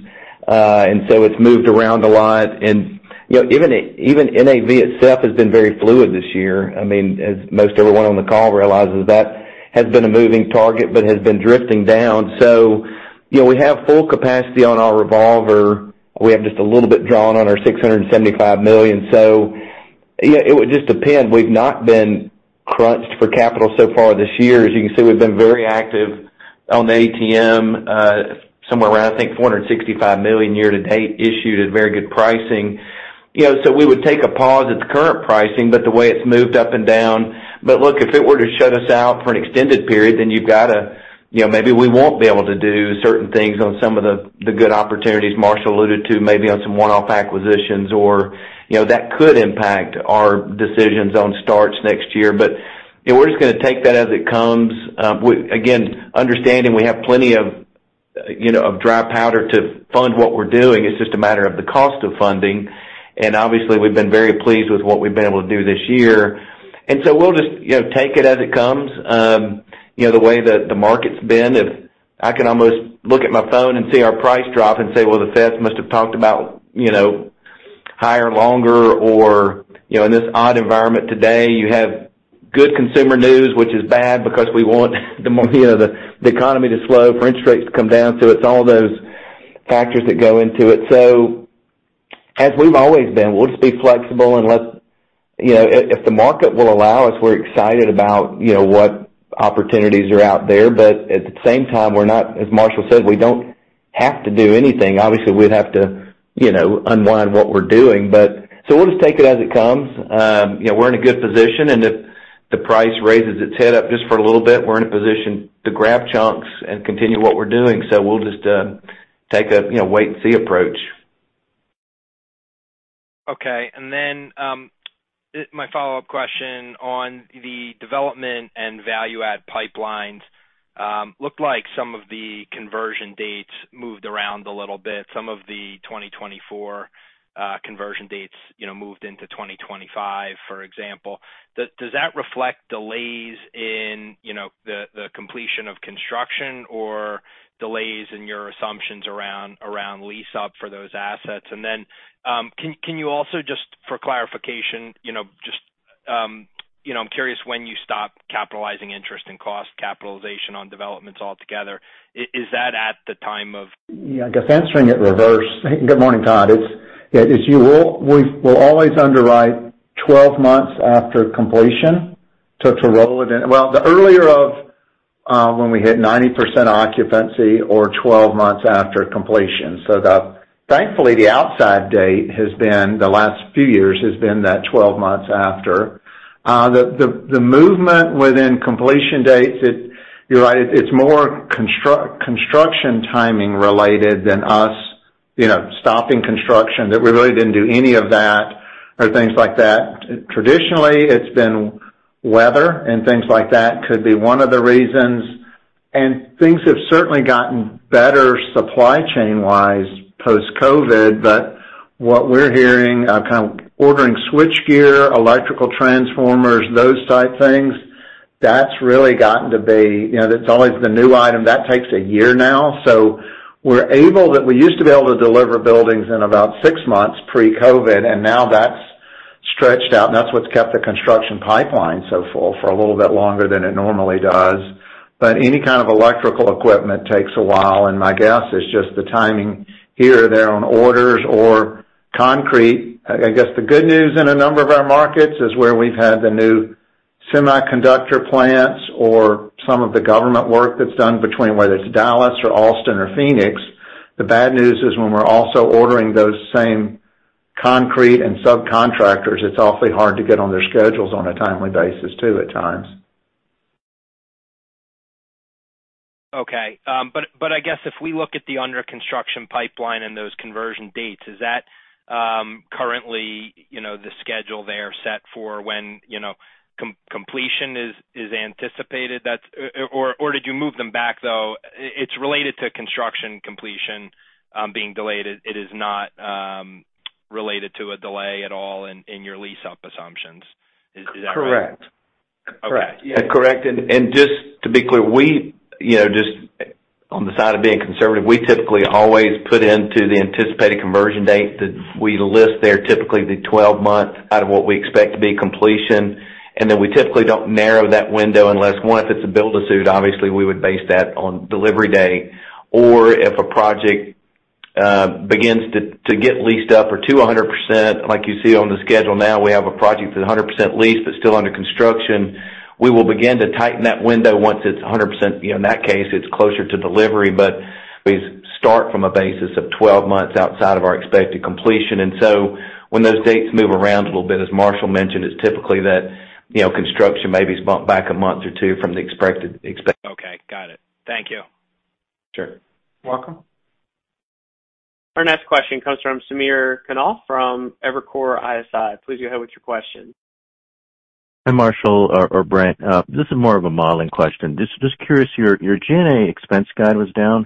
and so it's moved around a lot. And, you know, even NAV itself has been very fluid this year. I mean, as most everyone on the call realizes, that has been a moving target, but has been drifting down. So, you know, we have full capacity on our revolver. We have just a little bit drawn on our $675 million. So yeah, it would just depend. We've not been crunched for capital so far this year. As you can see, we've been very active on the ATM, somewhere around, I think, $465 million year to date, issued at very good pricing. You know, so we would take a pause at the current pricing, but the way it's moved up and down. But look, if it were to shut us out for an extended period, then you've got to, you know, maybe we won't be able to do certain things on some of the good opportunities Marshall alluded to, maybe on some one-off acquisitions or, you know, that could impact our decisions on starts next year. But, you know, we're just gonna take that as it comes. Again, understanding we have plenty of, you know, of dry powder to fund what we're doing. It's just a matter of the cost of funding, and obviously, we've been very pleased with what we've been able to do this year. And so we'll just, you know, take it as it comes. You know, the way that the market's been, if I can almost look at my phone and see our price drop and say, well, the Fed must have talked about, you know, higher, longer, or, you know, in this odd environment today, you have good consumer news, which is bad, because we want the, you know, the economy to slow, for interest rates to come down. So it's all those factors that go into it. So as we've always been, we'll just be flexible and let's, you know, if the market will allow us, we're excited about, you know, what opportunities are out there. But at the same time, we're not, as Marshall said, we don't have to do anything. Obviously, we'd have to, you know, unwind what we're doing, but. So we'll just take it as it comes. You know, we're in a good position, and if the price raises its head up just for a little bit, we're in a position to grab chunks and continue what we're doing. So we'll just take a you know wait and see approach.... Okay, and then, it, my follow-up question on the development and value add pipelines, looked like some of the conversion dates moved around a little bit. Some of the 2024, conversion dates, you know, moved into 2025, for example. Does, does that reflect delays in, you know, the, the completion of construction or delays in your assumptions around, around lease up for those assets? And then, can, can you also, just for clarification, you know, just, I'm curious when you stop capitalizing interest and cost capitalization on developments altogether. Is, is that at the time of- Yeah, I guess answering it in reverse. Good morning, Todd. It's, yeah, as you will. We've – we'll always underwrite 12 months after completion to, to roll it in. Well, the earlier of, when we hit 90% occupancy or 12 months after completion. So the... thankfully, the outside date has been, the last few years, has been that 12 months after. The, the movement within completion dates, it. You're right, it's more construction timing related than us, you know, stopping construction, that we really didn't do any of that or things like that. Traditionally, it's been weather and things like that could be one of the reasons, and things have certainly gotten better supply chain-wise, post-COVID. But what we're hearing, kind of ordering switchgear, electrical transformers, those type things, that's really gotten to be... You know, that's always the new item. That takes a year now. So we're able, that we used to be able to deliver buildings in about six months, pre-COVID, and now that's stretched out, and that's what's kept the construction pipeline so full for a little bit longer than it normally does. But any kind of electrical equipment takes a while, and my guess is just the timing here or there on orders or concrete. I guess, the good news in a number of our markets is where we've had the new semiconductor plants or some of the government work that's done between whether it's Dallas or Austin or Phoenix. The bad news is when we're also ordering those same concrete and subcontractors, it's awfully hard to get on their schedules on a timely basis, too, at times. Okay, but I guess if we look at the under construction pipeline and those conversion dates, is that currently, you know, the schedule they are set for when, you know, completion is anticipated? That's... Or, did you move them back, though? It's related to construction completion being delayed. It is not related to a delay at all in your lease-up assumptions. Is that right? Correct. Okay. Correct. Yeah, correct. And just to be clear, we, you know, just on the side of being conservative, we typically always put into the anticipated conversion date that we list there, typically the 12 months out of what we expect to be completion. And then we typically don't narrow that window unless, one, if it's a build-to-suit, obviously, we would base that on delivery day. Or if a project begins to get leased up or to 100%, like you see on the schedule now, we have a project that's 100% leased, but still under construction. We will begin to tighten that window once it's 100%, you know, in that case, it's closer to delivery, but we start from a basis of 12 months outside of our expected completion. And so when those dates move around a little bit, as Marshall mentioned, it's typically that, you know, construction may be bumped back a month or two from the expected- Okay. Got it. Thank you. Sure. Welcome. Our next question comes from Samir Khanal from Evercore ISI. Please go ahead with your question. Hi, Marshall or Brent. This is more of a modeling question. Just curious, your G&A expense guide was down,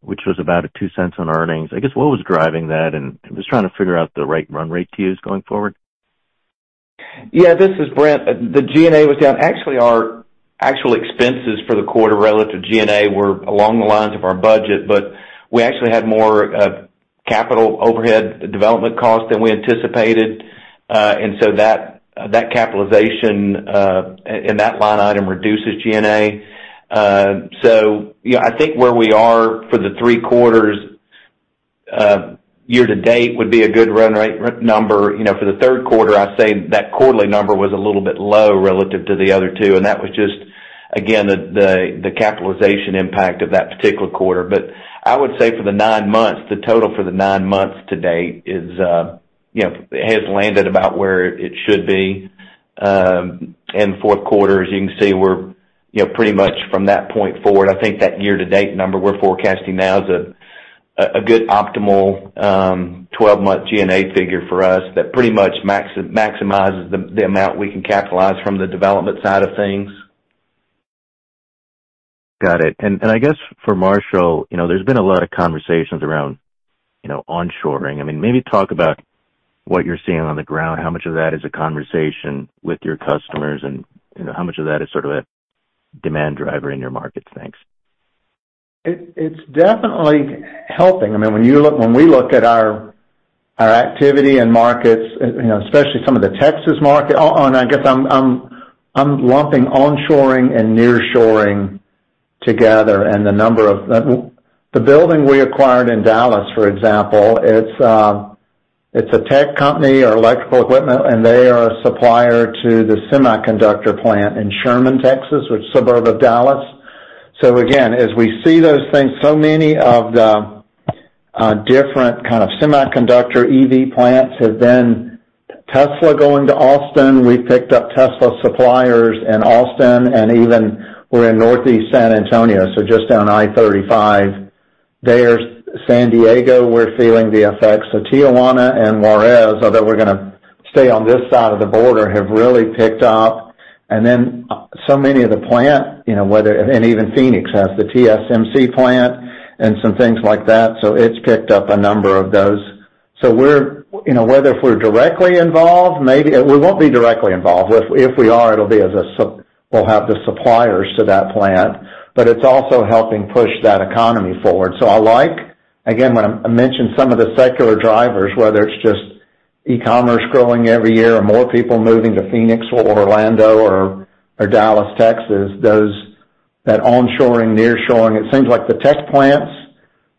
which was about $0.02 on earnings. I guess, what was driving that? And I'm just trying to figure out the right run rate to use going forward. Yeah, this is Brent. The G&A was down. Actually, our actual expenses for the quarter relative to G&A were along the lines of our budget, but we actually had more capital overhead development costs than we anticipated. And so that capitalization and that line item reduces G&A. So yeah, I think where we are for the three quarters year-to-date would be a good run rate number. You know, for the third quarter, I'd say that quarterly number was a little bit low relative to the other two, and that was just again the capitalization impact of that particular quarter. But I would say for the nine months, the total for the nine months to date is, you know, has landed about where it should be. Fourth quarter, as you can see, we're, you know, pretty much from that point forward. I think that year-to-date number we're forecasting now is a good optimal 12-month G&A figure for us, that pretty much maximizes the amount we can capitalize from the development side of things. Got it. And I guess for Marshall, you know, there's been a lot of conversations around, you know, onshoring. I mean, maybe talk about what you're seeing on the ground, how much of that is a conversation with your customers, and, you know, how much of that is sort of a demand driver in your markets? Thanks. It's definitely helping. I mean, when we look at our activity and markets, you know, especially some of the Texas market. I guess I'm lumping onshoring and nearshoring together. The building we acquired in Dallas, for example, it's a tech company or electrical equipment, and they are a supplier to the semiconductor plant in Sherman, Texas, which is a suburb of Dallas. So again, as we see those things, so many of the different kind of semiconductor EV plants have been Tesla going to Austin, we've picked up Tesla suppliers in Austin, and even we're in Northeast San Antonio, so just down I-35. There's San Diego, we're feeling the effects of Tijuana and Juarez, although we're gonna stay on this side of the border, have really picked up. And then, so many of the plant, you know, whether and even Phoenix has the TSMC plant and some things like that, so it's picked up a number of those. So we're, you know, whether if we're directly involved, maybe, we won't be directly involved. If, if we are, it'll be as a, we'll have the suppliers to that plant, but it's also helping push that economy forward. So I like, again, when I, I mention some of the secular drivers, whether it's just e-commerce growing every year or more people moving to Phoenix or Orlando or, or Dallas, Texas, those, that onshoring, nearshoring, it seems like the tech plants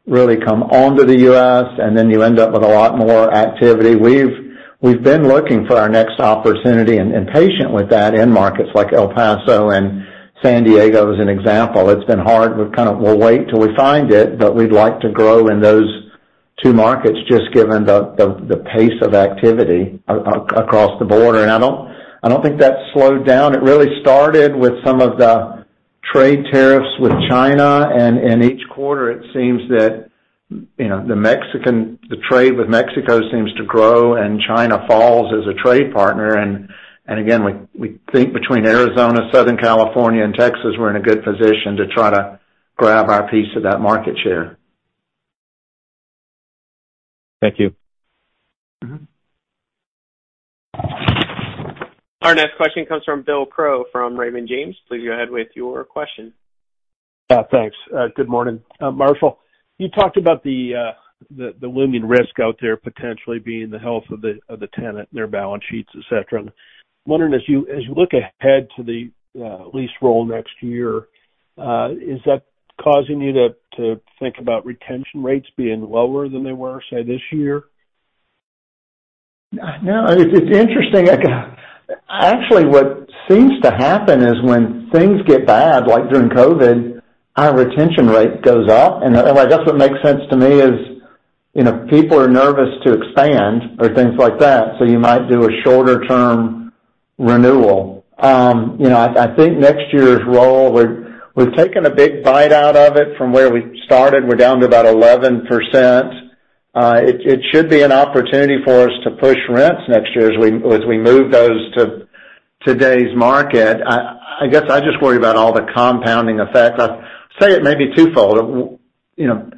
really come onto the U.S., and then you end up with a lot more activity. We've, we've been looking for our next opportunity and, and patient with that in markets like El Paso and San Diego as an example. It's been hard. We've kind of, we'll wait till we find it, but we'd like to grow in those two markets, just given the pace of activity across the border. And I don't think that's slowed down. It really started with some of the trade tariffs with China, and each quarter, it seems that, you know, the Mexican trade with Mexico seems to grow, and China falls as a trade partner. And again, we think between Arizona, Southern California, and Texas, we're in a good position to try to grab our piece of that market share. Thank you. Mm-hmm. Our next question comes from Bill Crow from Raymond James. Please go ahead with your question. Thanks. Good morning. Marshall, you talked about the looming risk out there potentially being the health of the tenant, their balance sheets, et cetera. I'm wondering, as you look ahead to the lease roll next year, is that causing you to think about retention rates being lower than they were, say, this year? No, it's interesting. Like, actually, what seems to happen is when things get bad, like during COVID, our retention rate goes up. And I guess what makes sense to me is, you know, people are nervous to expand or things like that, so you might do a shorter-term renewal. You know, I think next year's roll, we've taken a big bite out of it from where we started. We're down to about 11%. It should be an opportunity for us to push rents next year as we move those to today's market. I guess I just worry about all the compounding effects. I'd say it may be twofold. You know,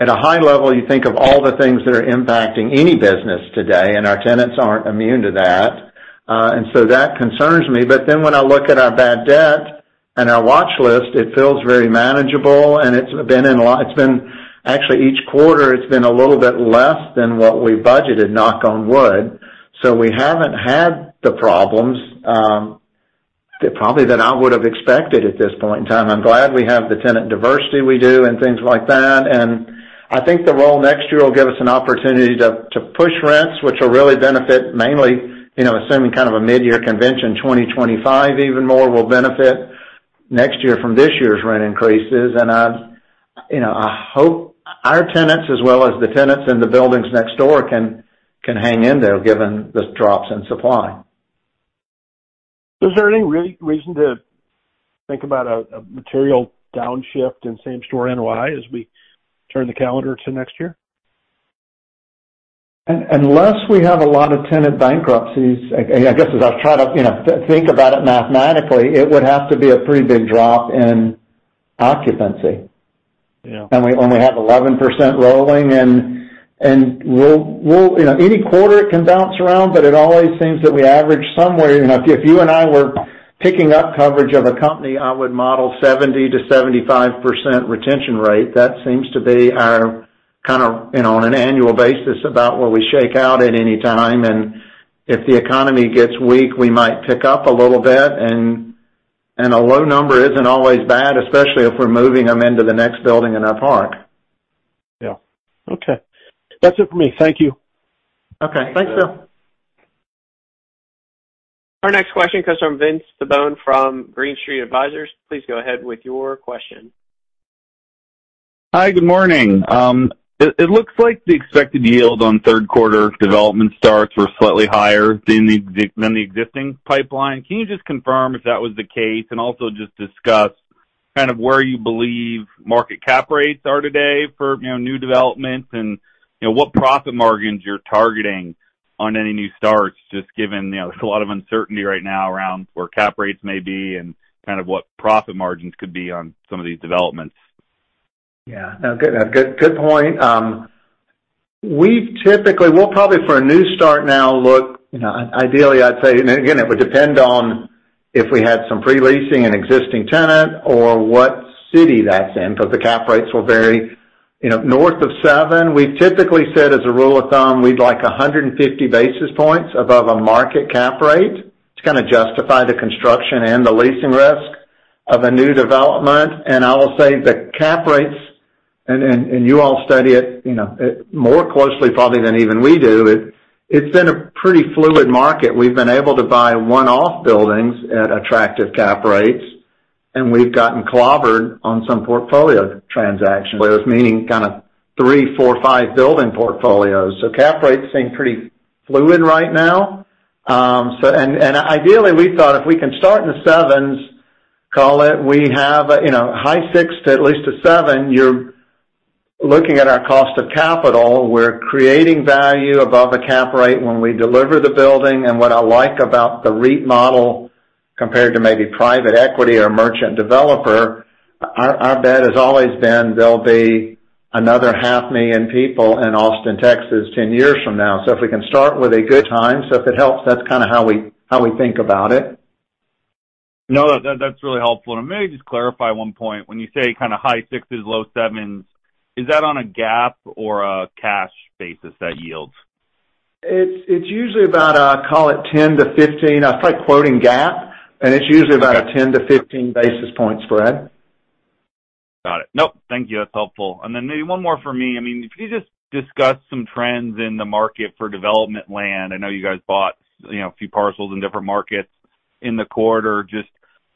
at a high level, you think of all the things that are impacting any business today, and our tenants aren't immune to that. And so that concerns me, but then when I look at our bad debt and our watch list, it feels very manageable, and it's been--it's been... Actually, each quarter, it's been a little bit less than what we budgeted, knock on wood. So we haven't had the problems that probably that I would have expected at this point in time. I'm glad we have the tenant diversity we do and things like that. And I think the role next year will give us an opportunity to push rents, which will really benefit mainly, you know, assuming kind of a mid-year convention, 2025 even more will benefit next year from this year's rent increases. And I, you know, I hope our tenants, as well as the tenants in the buildings next door, can hang in there, given the drops in supply. Is there any reason to think about a material downshift in same-store NOI as we turn the calendar to next year? Unless we have a lot of tenant bankruptcies, I guess, as I try to, you know, think about it mathematically, it would have to be a pretty big drop in occupancy. Yeah. We only have 11% rolling, and we'll, you know, any quarter it can bounce around, but it always seems that we average somewhere. You know, if you and I were picking up coverage of a company, I would model 70%-75% retention rate. That seems to be our kind of, you know, on an annual basis, about where we shake out at any time. And if the economy gets weak, we might tick up a little bit, and a low number isn't always bad, especially if we're moving them into the next building in our park. Yeah. Okay. That's it for me. Thank you. Okay. Thanks, Bill. Our next question comes from Vince Tibone from Green Street Advisors. Please go ahead with your question. Hi, good morning. It looks like the expected yield on third quarter development starts were slightly higher than the existing pipeline. Can you just confirm if that was the case? And also just discuss kind of where you believe market cap rates are today for, you know, new developments and, you know, what profit margins you're targeting on any new starts, just given, you know, there's a lot of uncertainty right now around where cap rates may be and kind of what profit margins could be on some of these developments. Yeah. No, good, good point. We typically... We'll probably, for a new start now, look, you know, ideally, I'd say, and again, it would depend on if we had some pre-leasing or an existing tenant or what city that's in, but the cap rates will vary. You know, north of 7, we typically said, as a rule of thumb, we'd like 150 basis points above a market cap rate to kind of justify the construction and the leasing risk of a new development. And I will say the cap rates, and you all study it, you know, more closely probably than even we do. It's been a pretty fluid market. We've been able to buy one-off buildings at attractive cap rates... and we've gotten clobbered on some portfolio transactions, where it was meaning kind of 3, 4, 5 building portfolios. So cap rates seem pretty fluid right now. So, ideally, we thought if we can start in the 7s, call it, we have, you know, high 6 to at least a 7, you're looking at our cost of capital. We're creating value above a cap rate when we deliver the building. And what I like about the REIT model, compared to maybe private equity or merchant developer, our bet has always been there'll be another 500,000 people in Austin, Texas, 10 years from now. So if we can start with a good time, so if it helps, that's kind of how we think about it. No, that's really helpful. And maybe just clarify one point. When you say kind of high sixes, low sevens, is that on a GAAP or a cash basis, that yield? It's usually about, call it 10-15. I start quoting GAAP, and it's usually about a 10-15 basis point spread. Got it. Nope. Thank you. That's helpful. And then maybe one more for me. I mean, if you just discuss some trends in the market for development land. I know you guys bought, you know, a few parcels in different markets in the quarter. Just,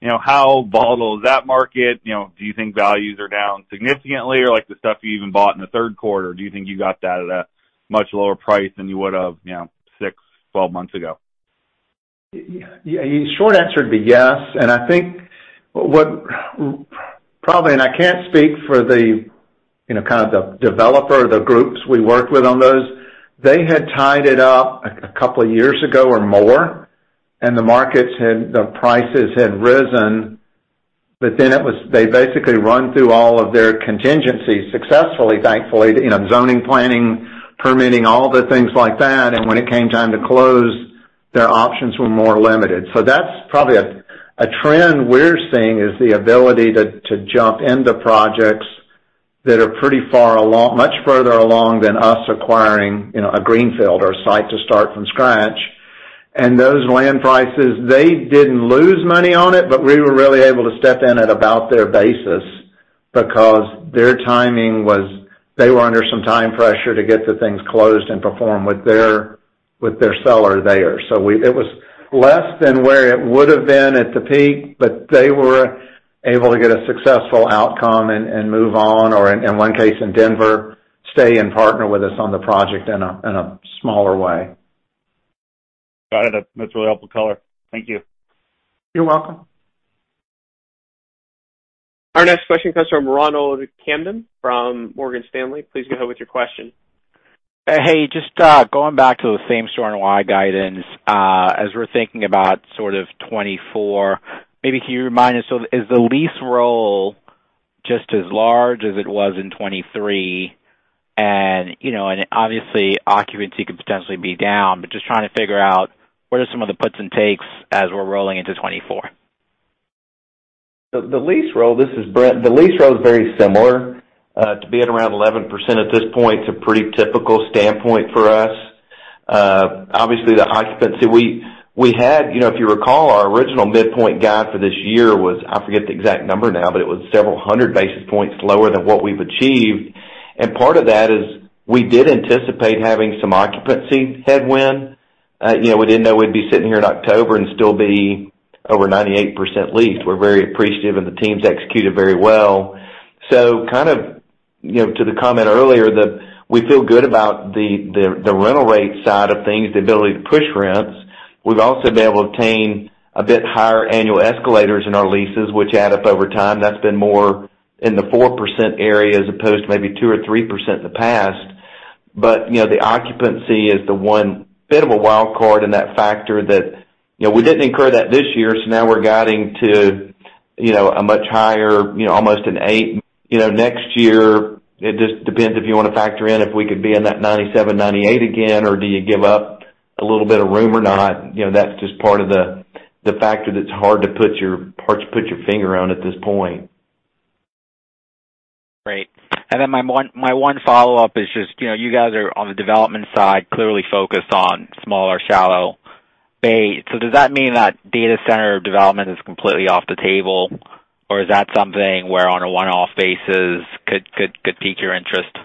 you know, how volatile is that market? You know, do you think values are down significantly? Or, like, the stuff you even bought in the third quarter, do you think you got that at a much lower price than you would've, you know, 6, 12 months ago? Yeah, the short answer would be yes. And I think what probably, and I can't speak for the, you know, kind of the developer, the groups we worked with on those. They had tied it up a couple of years ago or more, and the markets had - the prices had risen, but then it was - they basically run through all of their contingencies successfully, thankfully, you know, zoning, planning, permitting, all the things like that. And when it came time to close, their options were more limited. So that's probably a trend we're seeing, is the ability to jump into projects that are pretty far along - much further along than us acquiring, you know, a greenfield or a site to start from scratch. Those land prices, they didn't lose money on it, but we were really able to step in at about their basis, because their timing was... They were under some time pressure to get the things closed and perform with their, with their seller there. So we-- it was less than where it would've been at the peak, but they were able to get a successful outcome and, and move on, or in, in one case, in Denver, stay and partner with us on the project in a, in a smaller way. Got it. That's really helpful color. Thank you. You're welcome. Our next question comes from Ronald Kamdem from Morgan Stanley. Please go ahead with your question. Hey, just going back to the same-store NOI guidance, as we're thinking about sort of 2024, maybe can you remind us, so is the lease roll just as large as it was in 2023? And, you know, and obviously, occupancy could potentially be down, but just trying to figure out what are some of the puts and takes as we're rolling into 2024. The lease roll, this is Brent. The lease roll is very similar to be at around 11% at this point. It's a pretty typical standpoint for us. Obviously, the occupancy—we had, you know, if you recall, our original midpoint guide for this year was, I forget the exact number now, but it was several hundred basis points lower than what we've achieved. And part of that is we did anticipate having some occupancy headwind. You know, we didn't know we'd be sitting here in October and still be over 98% leased. We're very appreciative, and the team's executed very well. So kind of, you know, to the comment earlier, that we feel good about the rental rate side of things, the ability to push rents. We've also been able to obtain a bit higher annual escalators in our leases, which add up over time. That's been more in the 4% area, as opposed to maybe 2% or 3% in the past. But, you know, the occupancy is the one bit of a wild card in that factor that, you know, we didn't incur that this year, so now we're guiding to, you know, a much higher, you know, almost an 8%. You know, next year, it just depends if you want to factor in, if we could be in that 97%-98% again, or do you give up a little bit of room or not? You know, that's just part of the factor that's hard to put your finger on at this point. Great. And then my one follow-up is just, you know, you guys are, on the development side, clearly focused on smaller, shallow bay. So does that mean that data center development is completely off the table, or is that something where, on a one-off basis, could pique your interest?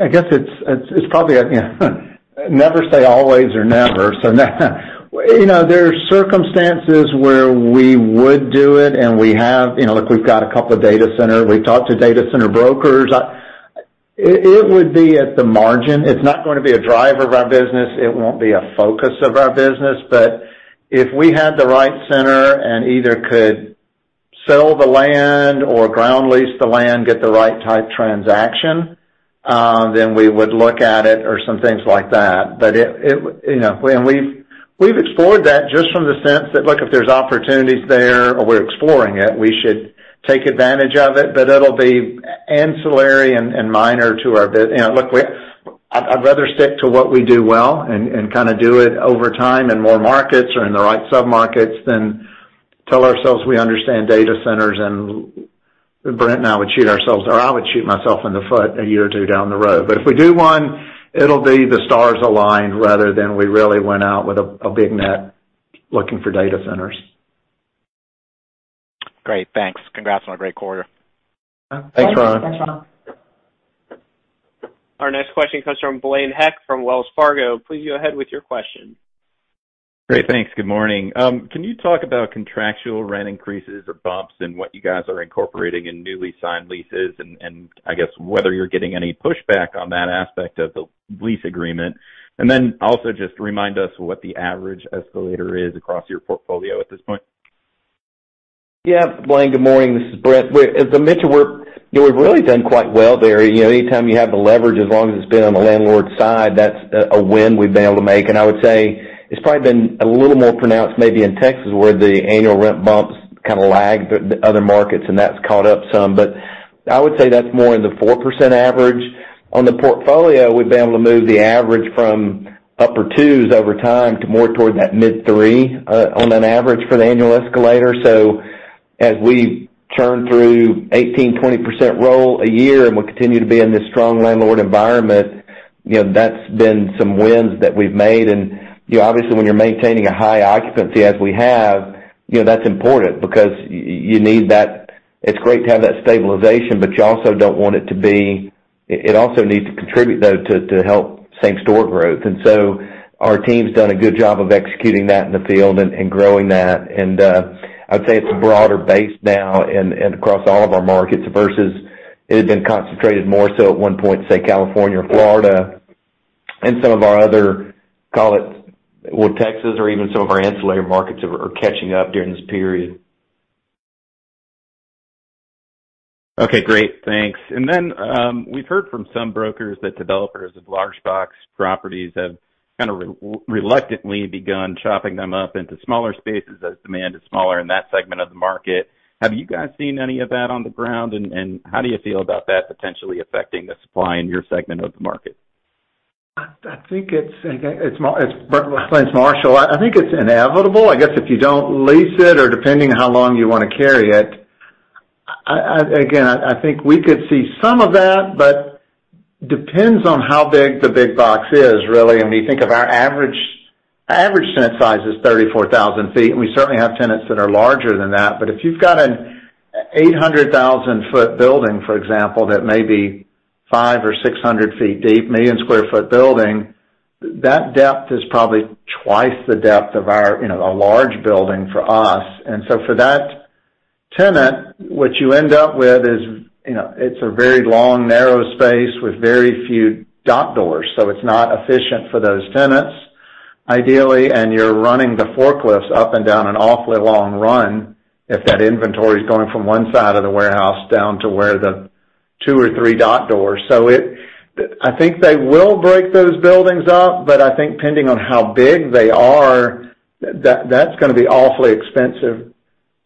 I guess it's probably, you know, never say always or never. So, you know, there are circumstances where we would do it, and we have. You know, look, we've got a couple of data center. We've talked to data center brokers. It would be at the margin. It's not going to be a driver of our business, it won't be a focus of our business, but if we had the right center and either could sell the land or ground lease the land, get the right type transaction, then we would look at it or some things like that. But, you know, and we've explored that just from the sense that, look, if there's opportunities there or we're exploring it, we should take advantage of it, but it'll be ancillary and minor to our business. You know, look, we'd rather stick to what we do well and kind of do it over time in more markets or in the right submarkets than tell ourselves we understand data centers, and Brent and I would shoot ourselves, or I would shoot myself in the foot a year or two down the road. But if we do one, it'll be the stars aligned rather than we really went out with a big net looking for data centers. Great, thanks. Congrats on a great quarter. Thanks, Ron.... Our next question comes from Blaine Heck from Wells Fargo. Please go ahead with your question. Great. Thanks. Good morning. Can you talk about contractual rent increases or bumps and what you guys are incorporating in newly signed leases? And I guess whether you're getting any pushback on that aspect of the lease agreement. And then also just remind us what the average escalator is across your portfolio at this point. Yeah, Blaine, good morning. This is Brent. As I mentioned, we're, you know, we've really done quite well there. You know, anytime you have the leverage, as long as it's been on the landlord side, that's a win we've been able to make. And I would say it's probably been a little more pronounced maybe in Texas, where the annual rent bumps kind of lagged the other markets, and that's caught up some. But I would say that's more in the 4% average. On the portfolio, we've been able to move the average from upper 2s over time to more toward that mid 3 on an average for the annual escalator. So as we turn through 18%-20% roll a year, and we'll continue to be in this strong landlord environment, you know, that's been some wins that we've made. And, you know, obviously, when you're maintaining a high occupancy as we have, you know, that's important because you need that... It's great to have that stabilization, but you also don't want it to be it also needs to contribute, though, to help same-store growth. And so our team's done a good job of executing that in the field and growing that. And I'd say it's a broader base now and across all of our markets, versus it had been concentrated more so at one point, say, California or Florida and some of our other, call it, well, Texas or even some of our ancillary markets are catching up during this period. Okay, great. Thanks. And then, we've heard from some brokers that developers of large box properties have kind of reluctantly begun chopping them up into smaller spaces as demand is smaller in that segment of the market. Have you guys seen any of that on the ground, and how do you feel about that potentially affecting the supply in your segment of the market? I think it's, again, it's Marshall. I think it's inevitable. I guess if you don't lease it or depending on how long you want to carry it, again, I think we could see some of that, but depends on how big the big box is, really. I mean, think of our average tenant size is 34,000 sq ft, and we certainly have tenants that are larger than that. But if you've got an 800,000-foot building, for example, that may be 500 or 600 feet deep, 1 million sq ft building, that depth is probably twice the depth of our, you know, a large building for us. And so for that tenant, what you end up with is, you know, it's a very long, narrow space with very few dock doors, so it's not efficient for those tenants, ideally. You're running the forklifts up and down an awfully long run if that inventory is going from one side of the warehouse down to where the 2 or 3 dock doors. So I think they will break those buildings up, but I think depending on how big they are, that's gonna be awfully expensive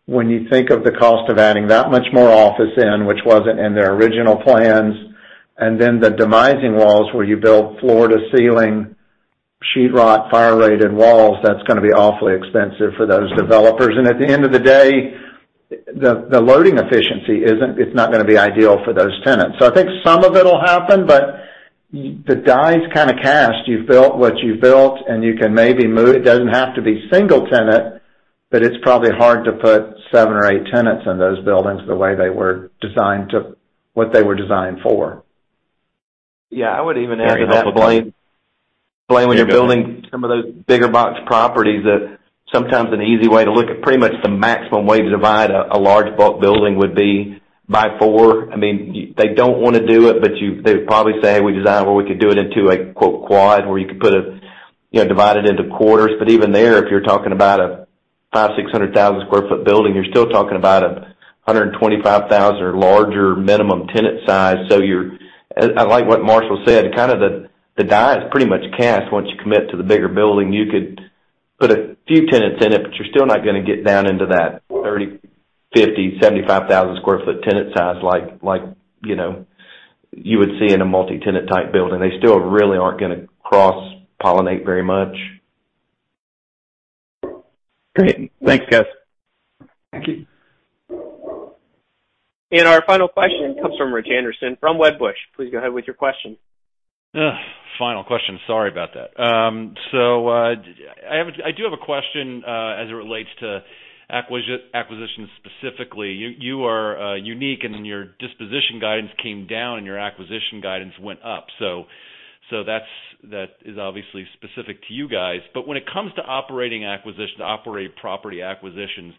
when you think of the cost of adding that much more office in, which wasn't in their original plans. And then the demising walls, where you build floor to ceiling, Sheetrock, fire-rated walls, that's gonna be awfully expensive for those developers. And at the end of the day, the loading efficiency isn't. It's not gonna be ideal for those tenants. So I think some of it'll happen, but the die is kind of cast. You've built what you've built, and you can maybe move. It doesn't have to be single tenant, but it's probably hard to put seven or eight tenants in those buildings the way they were designed to, what they were designed for. Yeah, I would even add to that, Blaine. Blaine, when you're building some of those bigger box properties, that sometimes an easy way to look at pretty much the maximum way to divide a large bulk building would be by four. I mean, they don't want to do it, but they would probably say, "We designed where we could do it into a quote, 'quad,' where you could put it, you know, divide it into quarters." But even there, if you're talking about a 500,000-600,000 sq ft building, you're still talking about a 125,000 or larger minimum tenant size. So you're... I like what Marshall said, kind of the die is pretty much cast once you commit to the bigger building. You could put a few tenants in it, but you're still not gonna get down into that 30, 50, 75,000 sq ft tenant size like, like, you know, you would see in a multi-tenant type building. They still really aren't gonna cross-pollinate very much. Great. Thanks, guys. Thank you. Our final question comes from Rich Anderson from Wedbush. Please go ahead with your question. Ugh, final question. Sorry about that. So, I have a question as it relates to acquisitions specifically. You are unique, and then your disposition guidance came down, and your acquisition guidance went up. So that's, that is obviously specific to you guys. But when it comes to operating acquisitions, operating property acquisitions,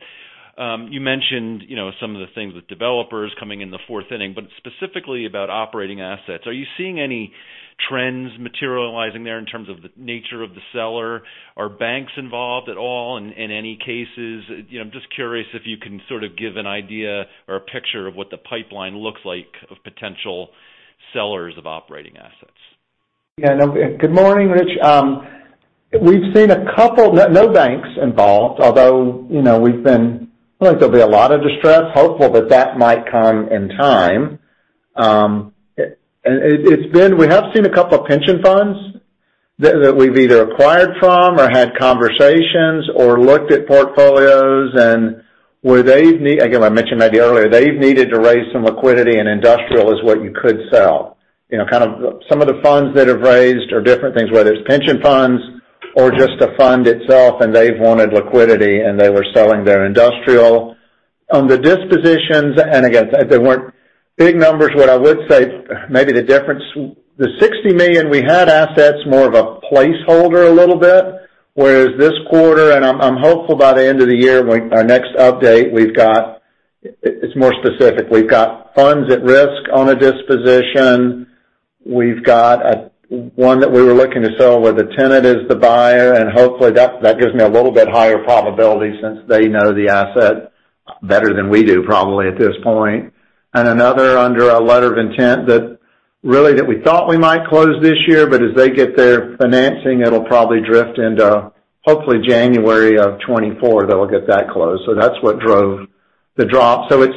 you mentioned, you know, some of the things with developers coming in the fourth inning, but specifically about operating assets, are you seeing any trends materializing there in terms of the nature of the seller? Are banks involved at all in any cases? You know, I'm just curious if you can sort of give an idea or a picture of what the pipeline looks like of potential sellers of operating assets. Yeah, no, good morning, Rich. We've seen a couple. No banks involved, although, you know, we've been, don't think there'll be a lot of distress, hopeful that that might come in time. It's been. We have seen a couple of pension funds that, that we've either acquired from or had conversations or looked at portfolios and where they've needed, again, I mentioned maybe earlier, they've needed to raise some liquidity, and industrial is what you could sell. You know, kind of some of the funds that have raised are different things, whether it's pension funds or just the fund itself, and they've wanted liquidity, and they were selling their industrial. On the dispositions, and again, they weren't big numbers. What I would say, maybe the difference, the $60 million we had assets, more of a placeholder a little bit, whereas this quarter, and I'm, I'm hopeful by the end of the year, when our next update, we've got it, it's more specific. We've got funds at risk on a disposition. We've got a one that we were looking to sell, where the tenant is the buyer, and hopefully, that, that gives me a little bit higher probability since they know the asset better than we do, probably, at this point. And another under a letter of intent that really, that we thought we might close this year, but as they get their financing, it'll probably drift into, hopefully, January of 2024. They'll get that closed. So that's what drove the drop. So it's,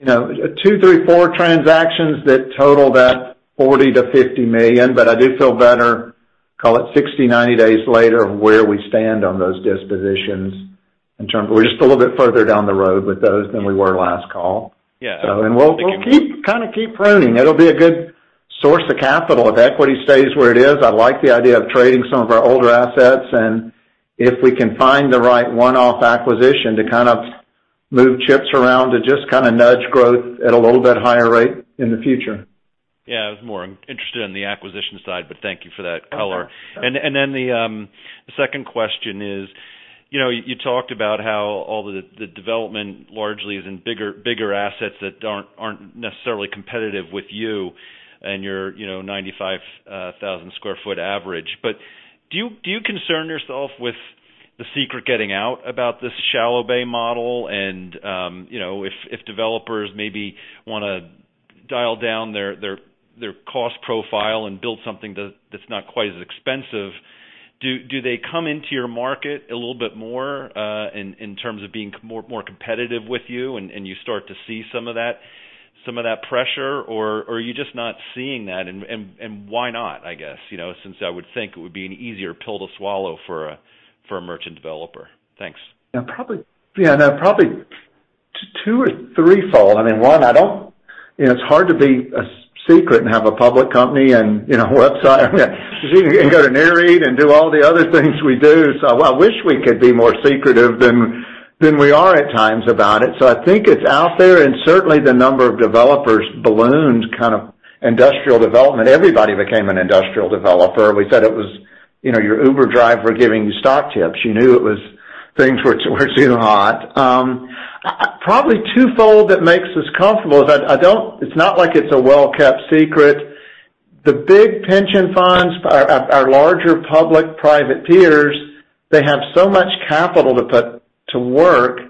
you know, 2, 3, 4 transactions that total that $40 million-$50 million, but I do feel better, call it 60, 90 days later, where we stand on those dispositions in terms... We're just a little bit further down the road with those than we were last call. Yeah. So, we'll keep kind of pruning. It'll be a good source of capital. If equity stays where it is, I like the idea of trading some of our older assets, and if we can find the right one-off acquisition to kind of move chips around, to just kind of nudge growth at a little bit higher rate in the future. Yeah, I was more interested in the acquisition side, but thank you for that color. And then the second question is: You know, you talked about how all the development largely is in bigger assets that aren't necessarily competitive with you and your, you know, 95,000 sq ft average. But do you concern yourself with the secret getting out about this shallow bay model? And you know, if developers maybe wanna dial down their cost profile and build something that's not quite as expensive, do they come into your market a little bit more in terms of being more competitive with you, and you start to see some of that pressure? Or are you just not seeing that, and why not, I guess? You know, since I would think it would be an easier pill to swallow for a, for a merchant developer. Thanks. Yeah, probably. Yeah, no, probably two or threefold. I mean, one, I don't... You know, it's hard to be a secret and have a public company, and, you know, a website, and go to an earnings call and do all the other things we do. So I wish we could be more secretive than we are at times about it. So I think it's out there, and certainly, the number of developers ballooned, kind of, industrial development. Everybody became an industrial developer. We said it was, you know, your Uber driver giving you stock tips. You knew it was things were getting hot. Probably twofold that makes us comfortable is I don't-- It's not like it's a well-kept secret. The big pension funds, our larger public, private peers, they have so much capital to put to work.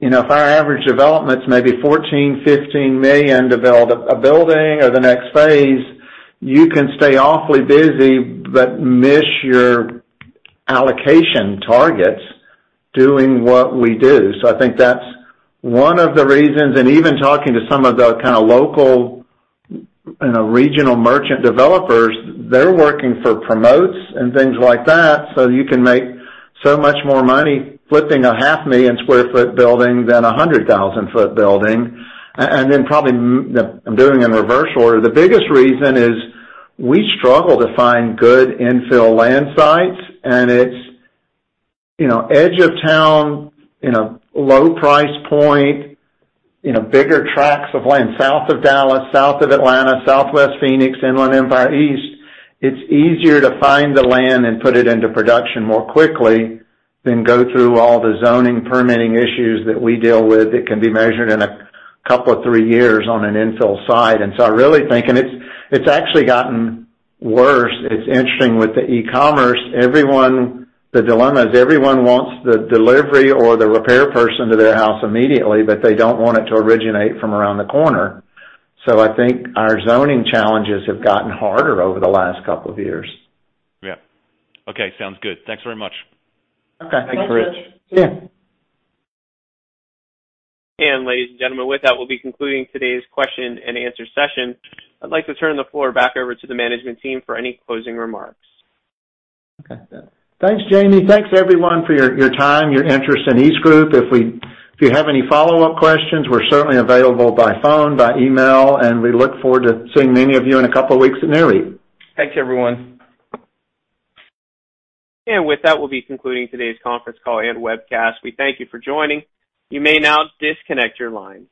You know, if our average development is maybe $14 million-$15 million to build a, a building or the next phase, you can stay awfully busy but miss your allocation targets, doing what we do. So I think that's one of the reasons, and even talking to some of the kind of local, you know, regional merchant developers, they're working for promotes and things like that, so you can make so much more money flipping a 500,000-sq ft building than a 100,000-foot building. And then probably, I'm doing it in reverse order. The biggest reason is we struggle to find good infill land sites, and it's, you know, edge of town, you know, low price point, you know, bigger tracts of land, south of Dallas, south of Atlanta, Southwest Phoenix, Inland Empire East. It's easier to find the land and put it into production more quickly than go through all the zoning, permitting issues that we deal with that can be measured in a couple or three years on an infill site. And so I really think, and it's, it's actually gotten worse. It's interesting with the e-commerce, everyone... The dilemma is everyone wants the delivery or the repair person to their house immediately, but they don't want it to originate from around the corner. So I think our zoning challenges have gotten harder over the last couple of years. Yeah. Okay, sounds good. Thanks very much. Okay. Thanks, Rich. Yeah. Ladies and gentlemen, with that, we'll be concluding today's question and answer session. I'd like to turn the floor back over to the management team for any closing remarks. Okay. Thanks, Jamie. Thanks, everyone, for your time, your interest in EastGroup. If you have any follow-up questions, we're certainly available by phone, by email, and we look forward to seeing many of you in a couple of weeks at NAREIT. Thanks, everyone. With that, we'll be concluding today's conference call and webcast. We thank you for joining. You may now disconnect your lines.